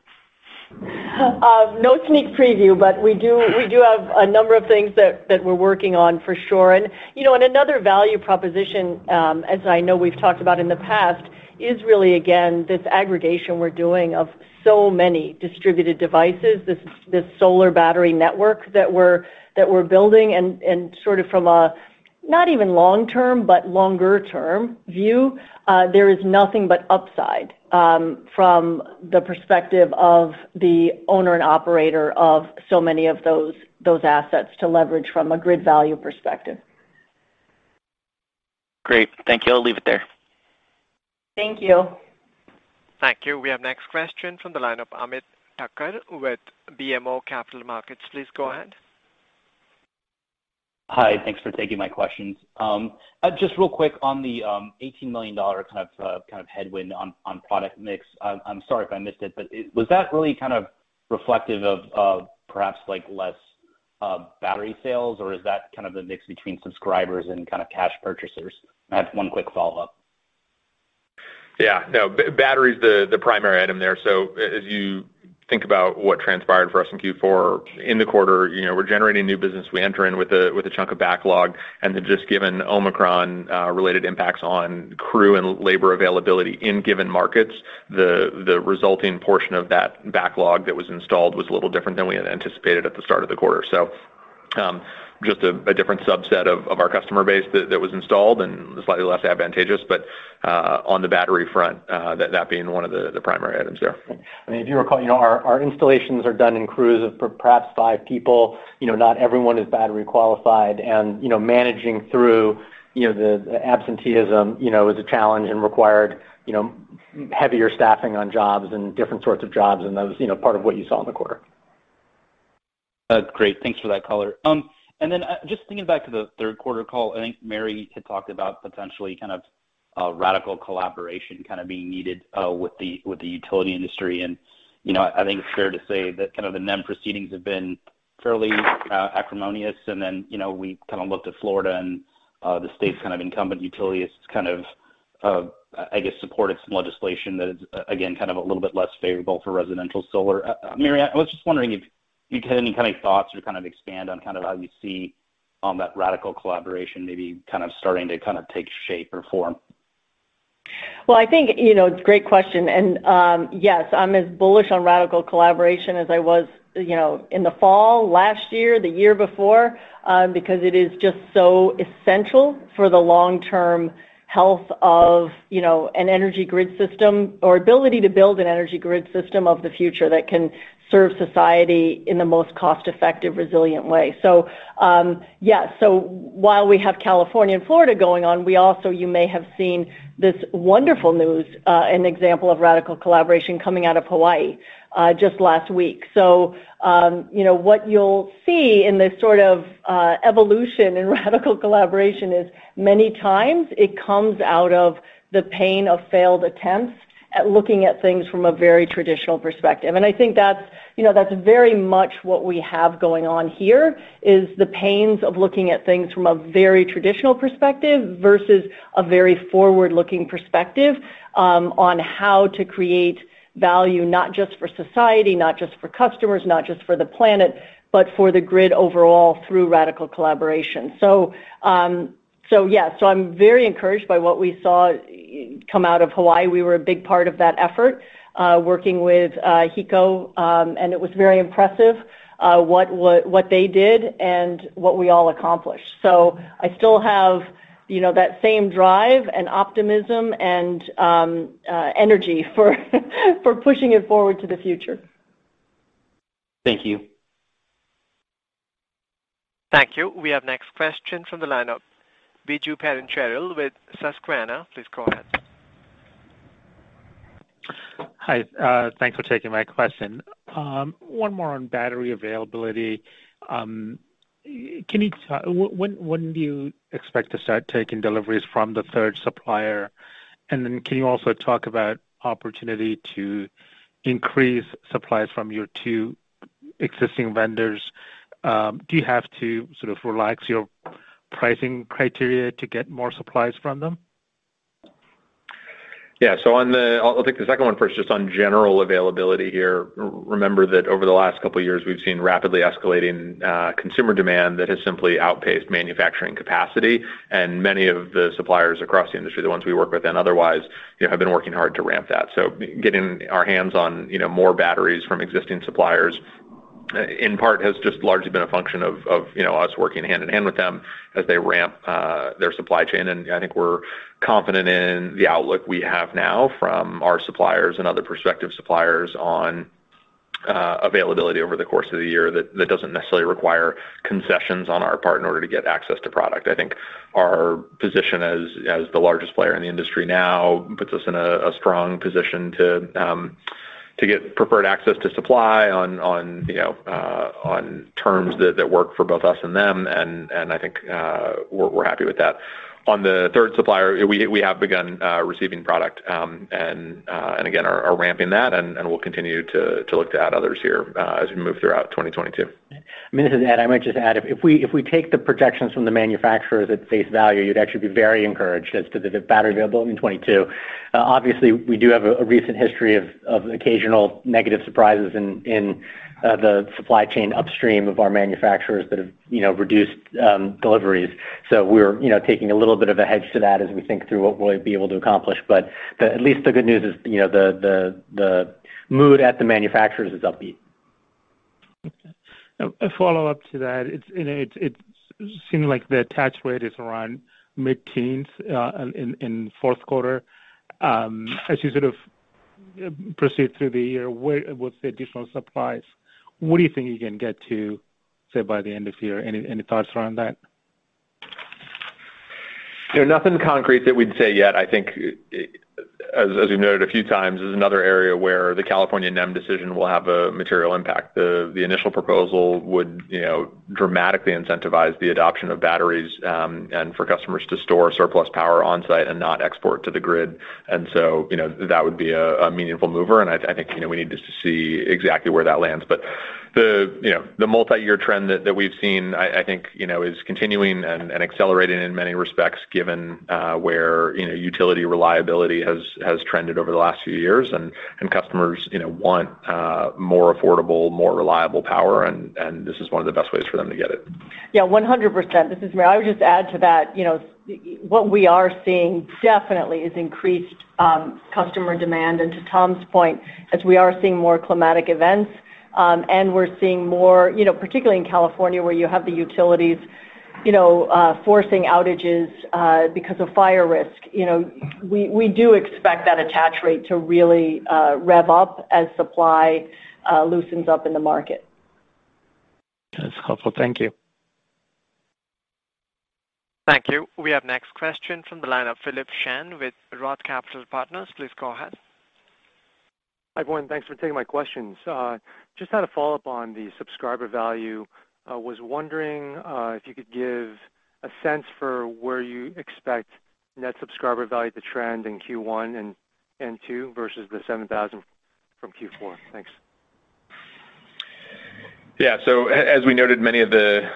No sneak preview, but we do have a number of things that we're working on for sure. You know, another value proposition, as I know we've talked about in the past, is really, again, this aggregation we're doing of so many distributed devices, this solar battery network that we're building. Sort of from a not even long term, but longer term view, there is nothing but upside, from the perspective of the owner and operator of so many of those assets to leverage from a grid value perspective. Great. Thank you. I'll leave it there. Thank you. Thank you. We have next question from the line of Ameet Thakkar with BMO Capital Markets. Please go ahead. Hi. Thanks for taking my questions. Just real quick on the $18 million kind of headwind on product mix. I'm sorry if I missed it, but was that really kind of reflective of perhaps like less battery sales, or is that kind of the mix between subscribers and kind of cash purchasers? I have one quick follow-up. Yeah. No. Battery is the primary item there. As you think about what transpired for us in Q4, in the quarter, you know, we're generating new business. We enter in with a chunk of backlog. Then just given Omicron related impacts on crew and labor availability in given markets, the resulting portion of that backlog that was installed was a little different than we had anticipated at the start of the quarter. Just a different subset of our customer base that was installed and slightly less advantageous. On the battery front, that being one of the primary items there. I mean, if you recall, you know, our installations are done in crews of perhaps five people. You know, not everyone is battery qualified. You know, managing through, you know, the absenteeism, you know, is a challenge and required, you know, heavier staffing on jobs and different sorts of jobs, and that was, you know, part of what you saw in the quarter. That's great. Thanks for that color. Just thinking back to the third quarter call, I think Mary had talked about potentially kind of a radical collaboration kind of being needed with the utility industry. You know, I think it's fair to say that kind of the NEM proceedings have been fairly acrimonious. You know, we kind of looked at Florida and the state's kind of incumbent utilities kind of I guess supported some legislation that is again kind of a little bit less favorable for residential solar. Mary, I was just wondering if you had any kind of thoughts or to kind of expand on kind of how you see that radical collaboration maybe kind of starting to kind of take shape or form. Well, I think, you know, it's a great question. Yes, I'm as bullish on radical collaboration as I was, you know, in the fall last year, the year before, because it is just so essential for the long-term health of, you know, an energy grid system or ability to build an energy grid system of the future that can serve society in the most cost-effective, resilient way. Yes. While we have California and Florida going on, we also, you may have seen this wonderful news, an example of radical collaboration coming out of Hawaii, just last week. You know, what you'll see in this sort of evolution in radical collaboration is many times it comes out of the pain of failed attempts at looking at things from a very traditional perspective. I think that's, you know, that's very much what we have going on here, is the pains of looking at things from a very traditional perspective versus a very forward-looking perspective on how to create value, not just for society, not just for customers, not just for the planet, but for the grid overall through radical collaboration. Yeah. I'm very encouraged by what we saw come out of Hawaii. We were a big part of that effort, working with HECO, and it was very impressive, what what they did and what we all accomplished. I still have, you know, that same drive and optimism and energy for pushing it forward to the future. Thank you. Thank you. We have next question from the line of Biju Perincheril with Susquehanna, please go ahead. Hi. Thanks for taking my question. One more on battery availability. Can you, when do you expect to start taking deliveries from the third supplier? Can you also talk about opportunity to increase supplies from your two existing vendors? Do you have to sort of relax your pricing criteria to get more supplies from them? I'll take the second one first, just on general availability here. Remember that over the last couple of years, we've seen rapidly escalating consumer demand that has simply outpaced manufacturing capacity. Many of the suppliers across the industry, the ones we work with and otherwise, you know, have been working hard to ramp that. Getting our hands on, you know, more batteries from existing suppliers in part has just largely been a function of, you know, us working hand-in-hand with them as they ramp their supply chain. I think we're confident in the outlook we have now from our suppliers and other prospective suppliers on availability over the course of the year that doesn't necessarily require concessions on our part in order to get access to product. I think our position as the largest player in the industry now puts us in a strong position to get preferred access to supply on, you know, on terms that work for both us and them. I think we're happy with that. On the third supplier, we have begun receiving product, and again, are ramping that, and we'll continue to look to add others here, as we move throughout 2022. I mean, this is Ed. I might just add, if we take the projections from the manufacturers at face value, you'd actually be very encouraged as to the battery availability in 2022. Obviously we do have a recent history of occasional negative surprises in the supply chain upstream of our manufacturers that have, you know, reduced deliveries. So we're, you know, taking a little bit of a hedge to that as we think through what we'll be able to accomplish. But at least the good news is, you know, the mood at the manufacturers is upbeat. Okay. A follow-up to that. You know, it seemed like the attach rate is around mid-teens in fourth quarter. As you sort of proceed through the year, with the additional supplies, what do you think you can get to, say, by the end of year? Any thoughts around that? You know, nothing concrete that we'd say yet. I think, as we've noted a few times, this is another area where the California NEM decision will have a material impact. The initial proposal would, you know, dramatically incentivize the adoption of batteries, and for customers to store surplus power on-site and not export to the grid. You know, that would be a meaningful mover, and I think, you know, we need just to see exactly where that lands. You know, the multi-year trend that we've seen, I think, you know, is continuing and accelerating in many respects, given where, you know, utility reliability has trended over the last few years. Customers, you know, want more affordable, more reliable power, and this is one of the best ways for them to get it. Yeah, 100%. This is Mary. I would just add to that, you know, what we are seeing definitely is increased customer demand. To Tom's point, as we are seeing more climatic events, and we're seeing more, you know, particularly in California where you have the utilities, you know, forcing outages because of fire risk. You know, we do expect that attach rate to really rev up as supply loosens up in the market. That's helpful. Thank you. Thank you. We have next question from the line of Philip Shen with Roth Capital Partners. Please go ahead. Hi, everyone. Thanks for taking my questions. Just had a follow-up on the Subscriber Value. I was wondering, if you could give a sense for where you expect Net Subscriber Value to trend in Q1 and Q2 versus the $7,000 from Q4. Thanks. Yeah. As we noted, many of the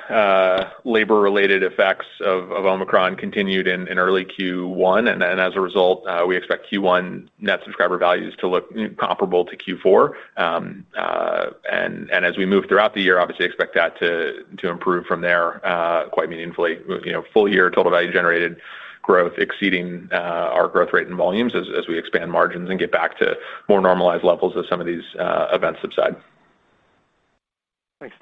labor-related effects of Omicron continued in early Q1. As a result, we expect Q1 net subscriber values to look comparable to Q4. As we move throughout the year, obviously expect that to improve from there quite meaningfully. With you know, full year Total Value Generated growth exceeding our growth rate and volumes as we expand margins and get back to more normalized levels as some of these events subside. Thanks,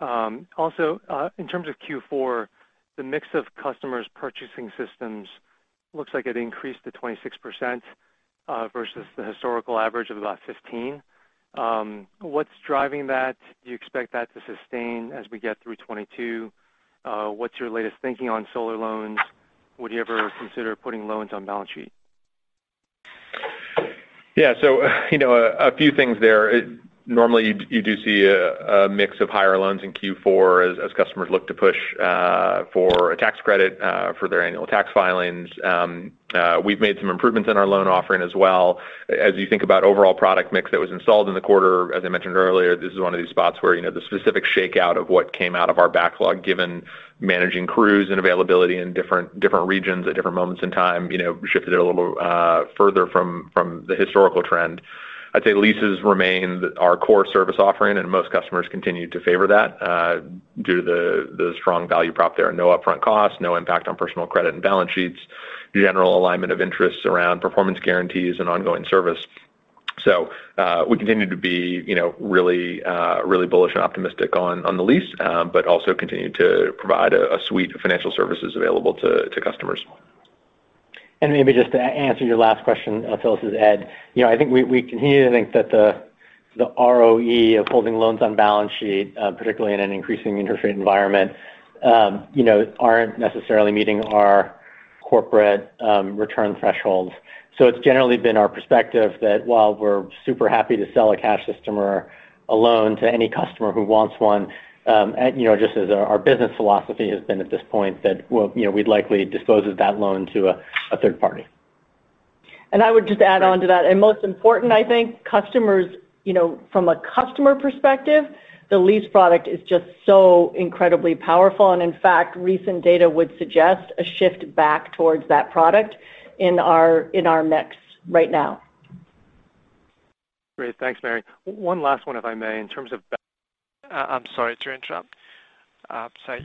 Tom. Also, in terms of Q4, the mix of customers purchasing systems looks like it increased to 26%, versus the historical average of about 15%. What's driving that? Do you expect that to sustain as we get through 2022? What's your latest thinking on solar loans? Would you ever consider putting loans on balance sheet? Yeah. You know, a few things there. Normally, you do see a mix of higher loans in Q4 as customers look to push for a tax credit for their annual tax filings. We've made some improvements in our loan offering as well. As you think about overall product mix that was installed in the quarter, as I mentioned earlier, this is one of these spots where, you know, the specific shakeout of what came out of our backlog, given managing crews and availability in different regions at different moments in time, you know, shifted a little further from the historical trend. I'd say leases remain our core service offering, and most customers continue to favor that due to the strong value prop there. No upfront costs, no impact on personal credit and balance sheets, general alignment of interests around performance guarantees and ongoing service. We continue to be, you know, really bullish and optimistic on the lease, but also continue to provide a suite of financial services available to customers. Maybe just to answer your last question, Philip, this is Ed. You know, I think we continue to think that the ROE of holding loans on balance sheet, particularly in an increasing interest rate environment, you know, aren't necessarily meeting our corporate return thresholds. It's generally been our perspective that while we're super happy to sell a cash system or a loan to any customer who wants one, and you know, just as our business philosophy has been at this point that we'd likely dispose of that loan to a third party. I would just add on to that. Most important, I think customers, you know, from a customer perspective, the lease product is just so incredibly powerful. In fact, recent data would suggest a shift back towards that product in our mix right now. Great. Thanks, Mary. One last one, if I may. In terms of- I'm sorry to interrupt.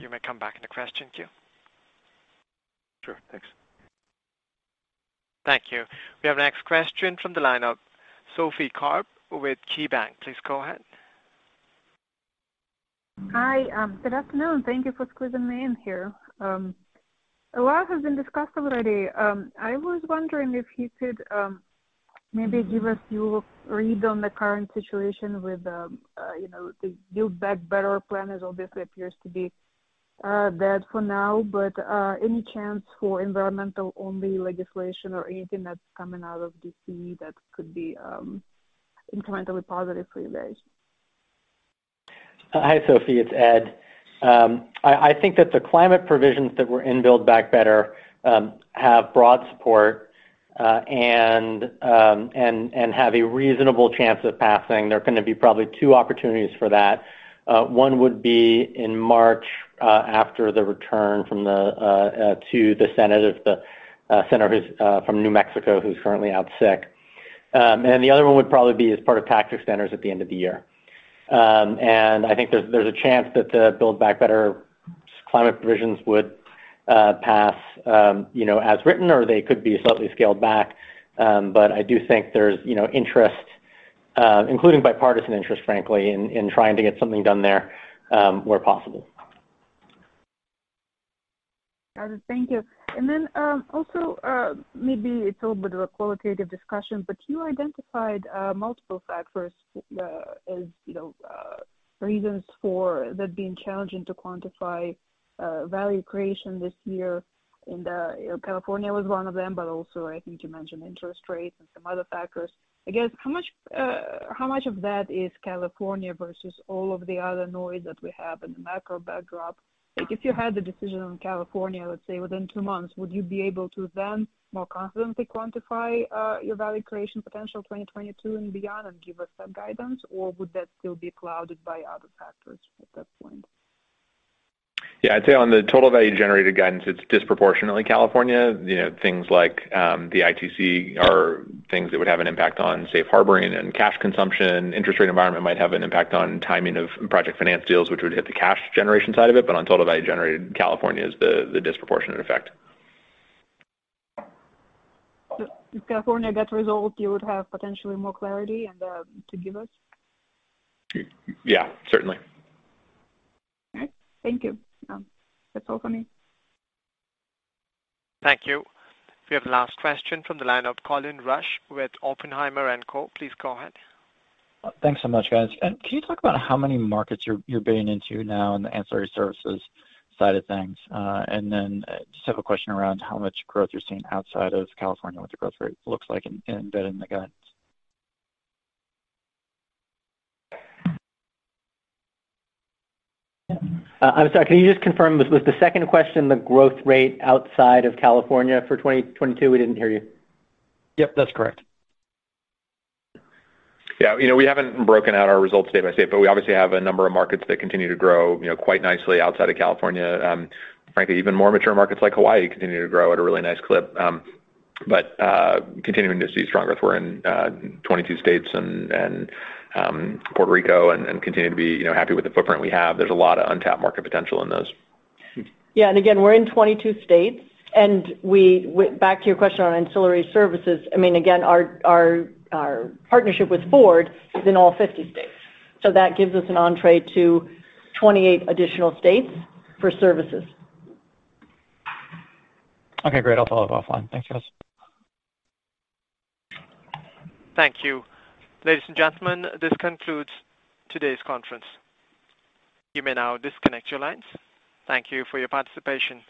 You may come back in the question queue. Sure. Thanks. Thank you. We have our next question from the line of Sophie Karp with KeyBanc. Please go ahead. Hi. Good afternoon. Thank you for squeezing me in here. A lot has been discussed already. I was wondering if you could maybe give us your read on the current situation with, you know, the Build Back Better plan obviously appears to be dead for now, but any chance for environmental only legislation or anything that's coming out of D.C. that could be incrementally positive for you guys? Hi, Sophie. It's Ed. I think that the climate provisions that were in Build Back Better have broad support and have a reasonable chance of passing. There are gonna be probably two opportunities for that. One would be in March, after the return to the Senate of the senator who's from New Mexico, who's currently out sick. The other one would probably be as part of tax extenders at the end of the year. I think there's a chance that the Build Back Better climate provisions would pass, you know, as written or they could be slightly scaled back. I do think there's, you know, interest, including bipartisan interest, frankly, in trying to get something done there, where possible. Got it. Thank you. Also, maybe it's a little bit of a qualitative discussion, but you identified multiple factors, as you know, reasons for that being challenging to quantify value creation this year. California was one of them, but also I think you mentioned interest rates and some other factors. I guess, how much of that is California versus all of the other noise that we have in the macro backdrop? Like, if you had the decision on California, let's say within two months, would you be able to then more confidently quantify your value creation potential 2022 and beyond and give us some guidance? Or would that still be clouded by other factors at that point? Yeah. I'd say on the Total Value Generated guidance, it's disproportionately California. You know, things like, the ITC are things that would have an impact on safe harboring and cash consumption. Interest rate environment might have an impact on timing of project finance deals, which would hit the cash generation side of it. On Total Value Generated, California is the disproportionate effect. If California got resolved, you would have potentially more clarity to give us? Yeah, certainly. All right. Thank you. That's all for me. Thank you. We have last question from the line of Colin Rusch with Oppenheimer & Co. Please go ahead. Thanks so much, guys. Can you talk about how many markets you're bidding into now on the ancillary services side of things? Then just have a question around how much growth you're seeing outside of California, what the growth rate looks like in embedding the guidance. I'm sorry. Can you just confirm, was the second question the growth rate outside of California for 2022? We didn't hear you. Yep, that's correct. Yeah. You know, we haven't broken out our results state by state, but we obviously have a number of markets that continue to grow, you know, quite nicely outside of California. Frankly, even more mature markets like Hawaii continue to grow at a really nice clip. Continuing to see strong growth. We're in 22 states and Puerto Rico and continue to be, you know, happy with the footprint we have. There's a lot of untapped market potential in those. Yeah. Again, we're in 22 states. Back to your question on ancillary services, I mean, again, our partnership with Ford is in all 50 states. That gives us an entrée to 28 additional states for services. Okay, great. I'll follow up offline. Thanks, guys. Thank you. Ladies and gentlemen, this concludes today's conference. You may now disconnect your lines. Thank you for your participation.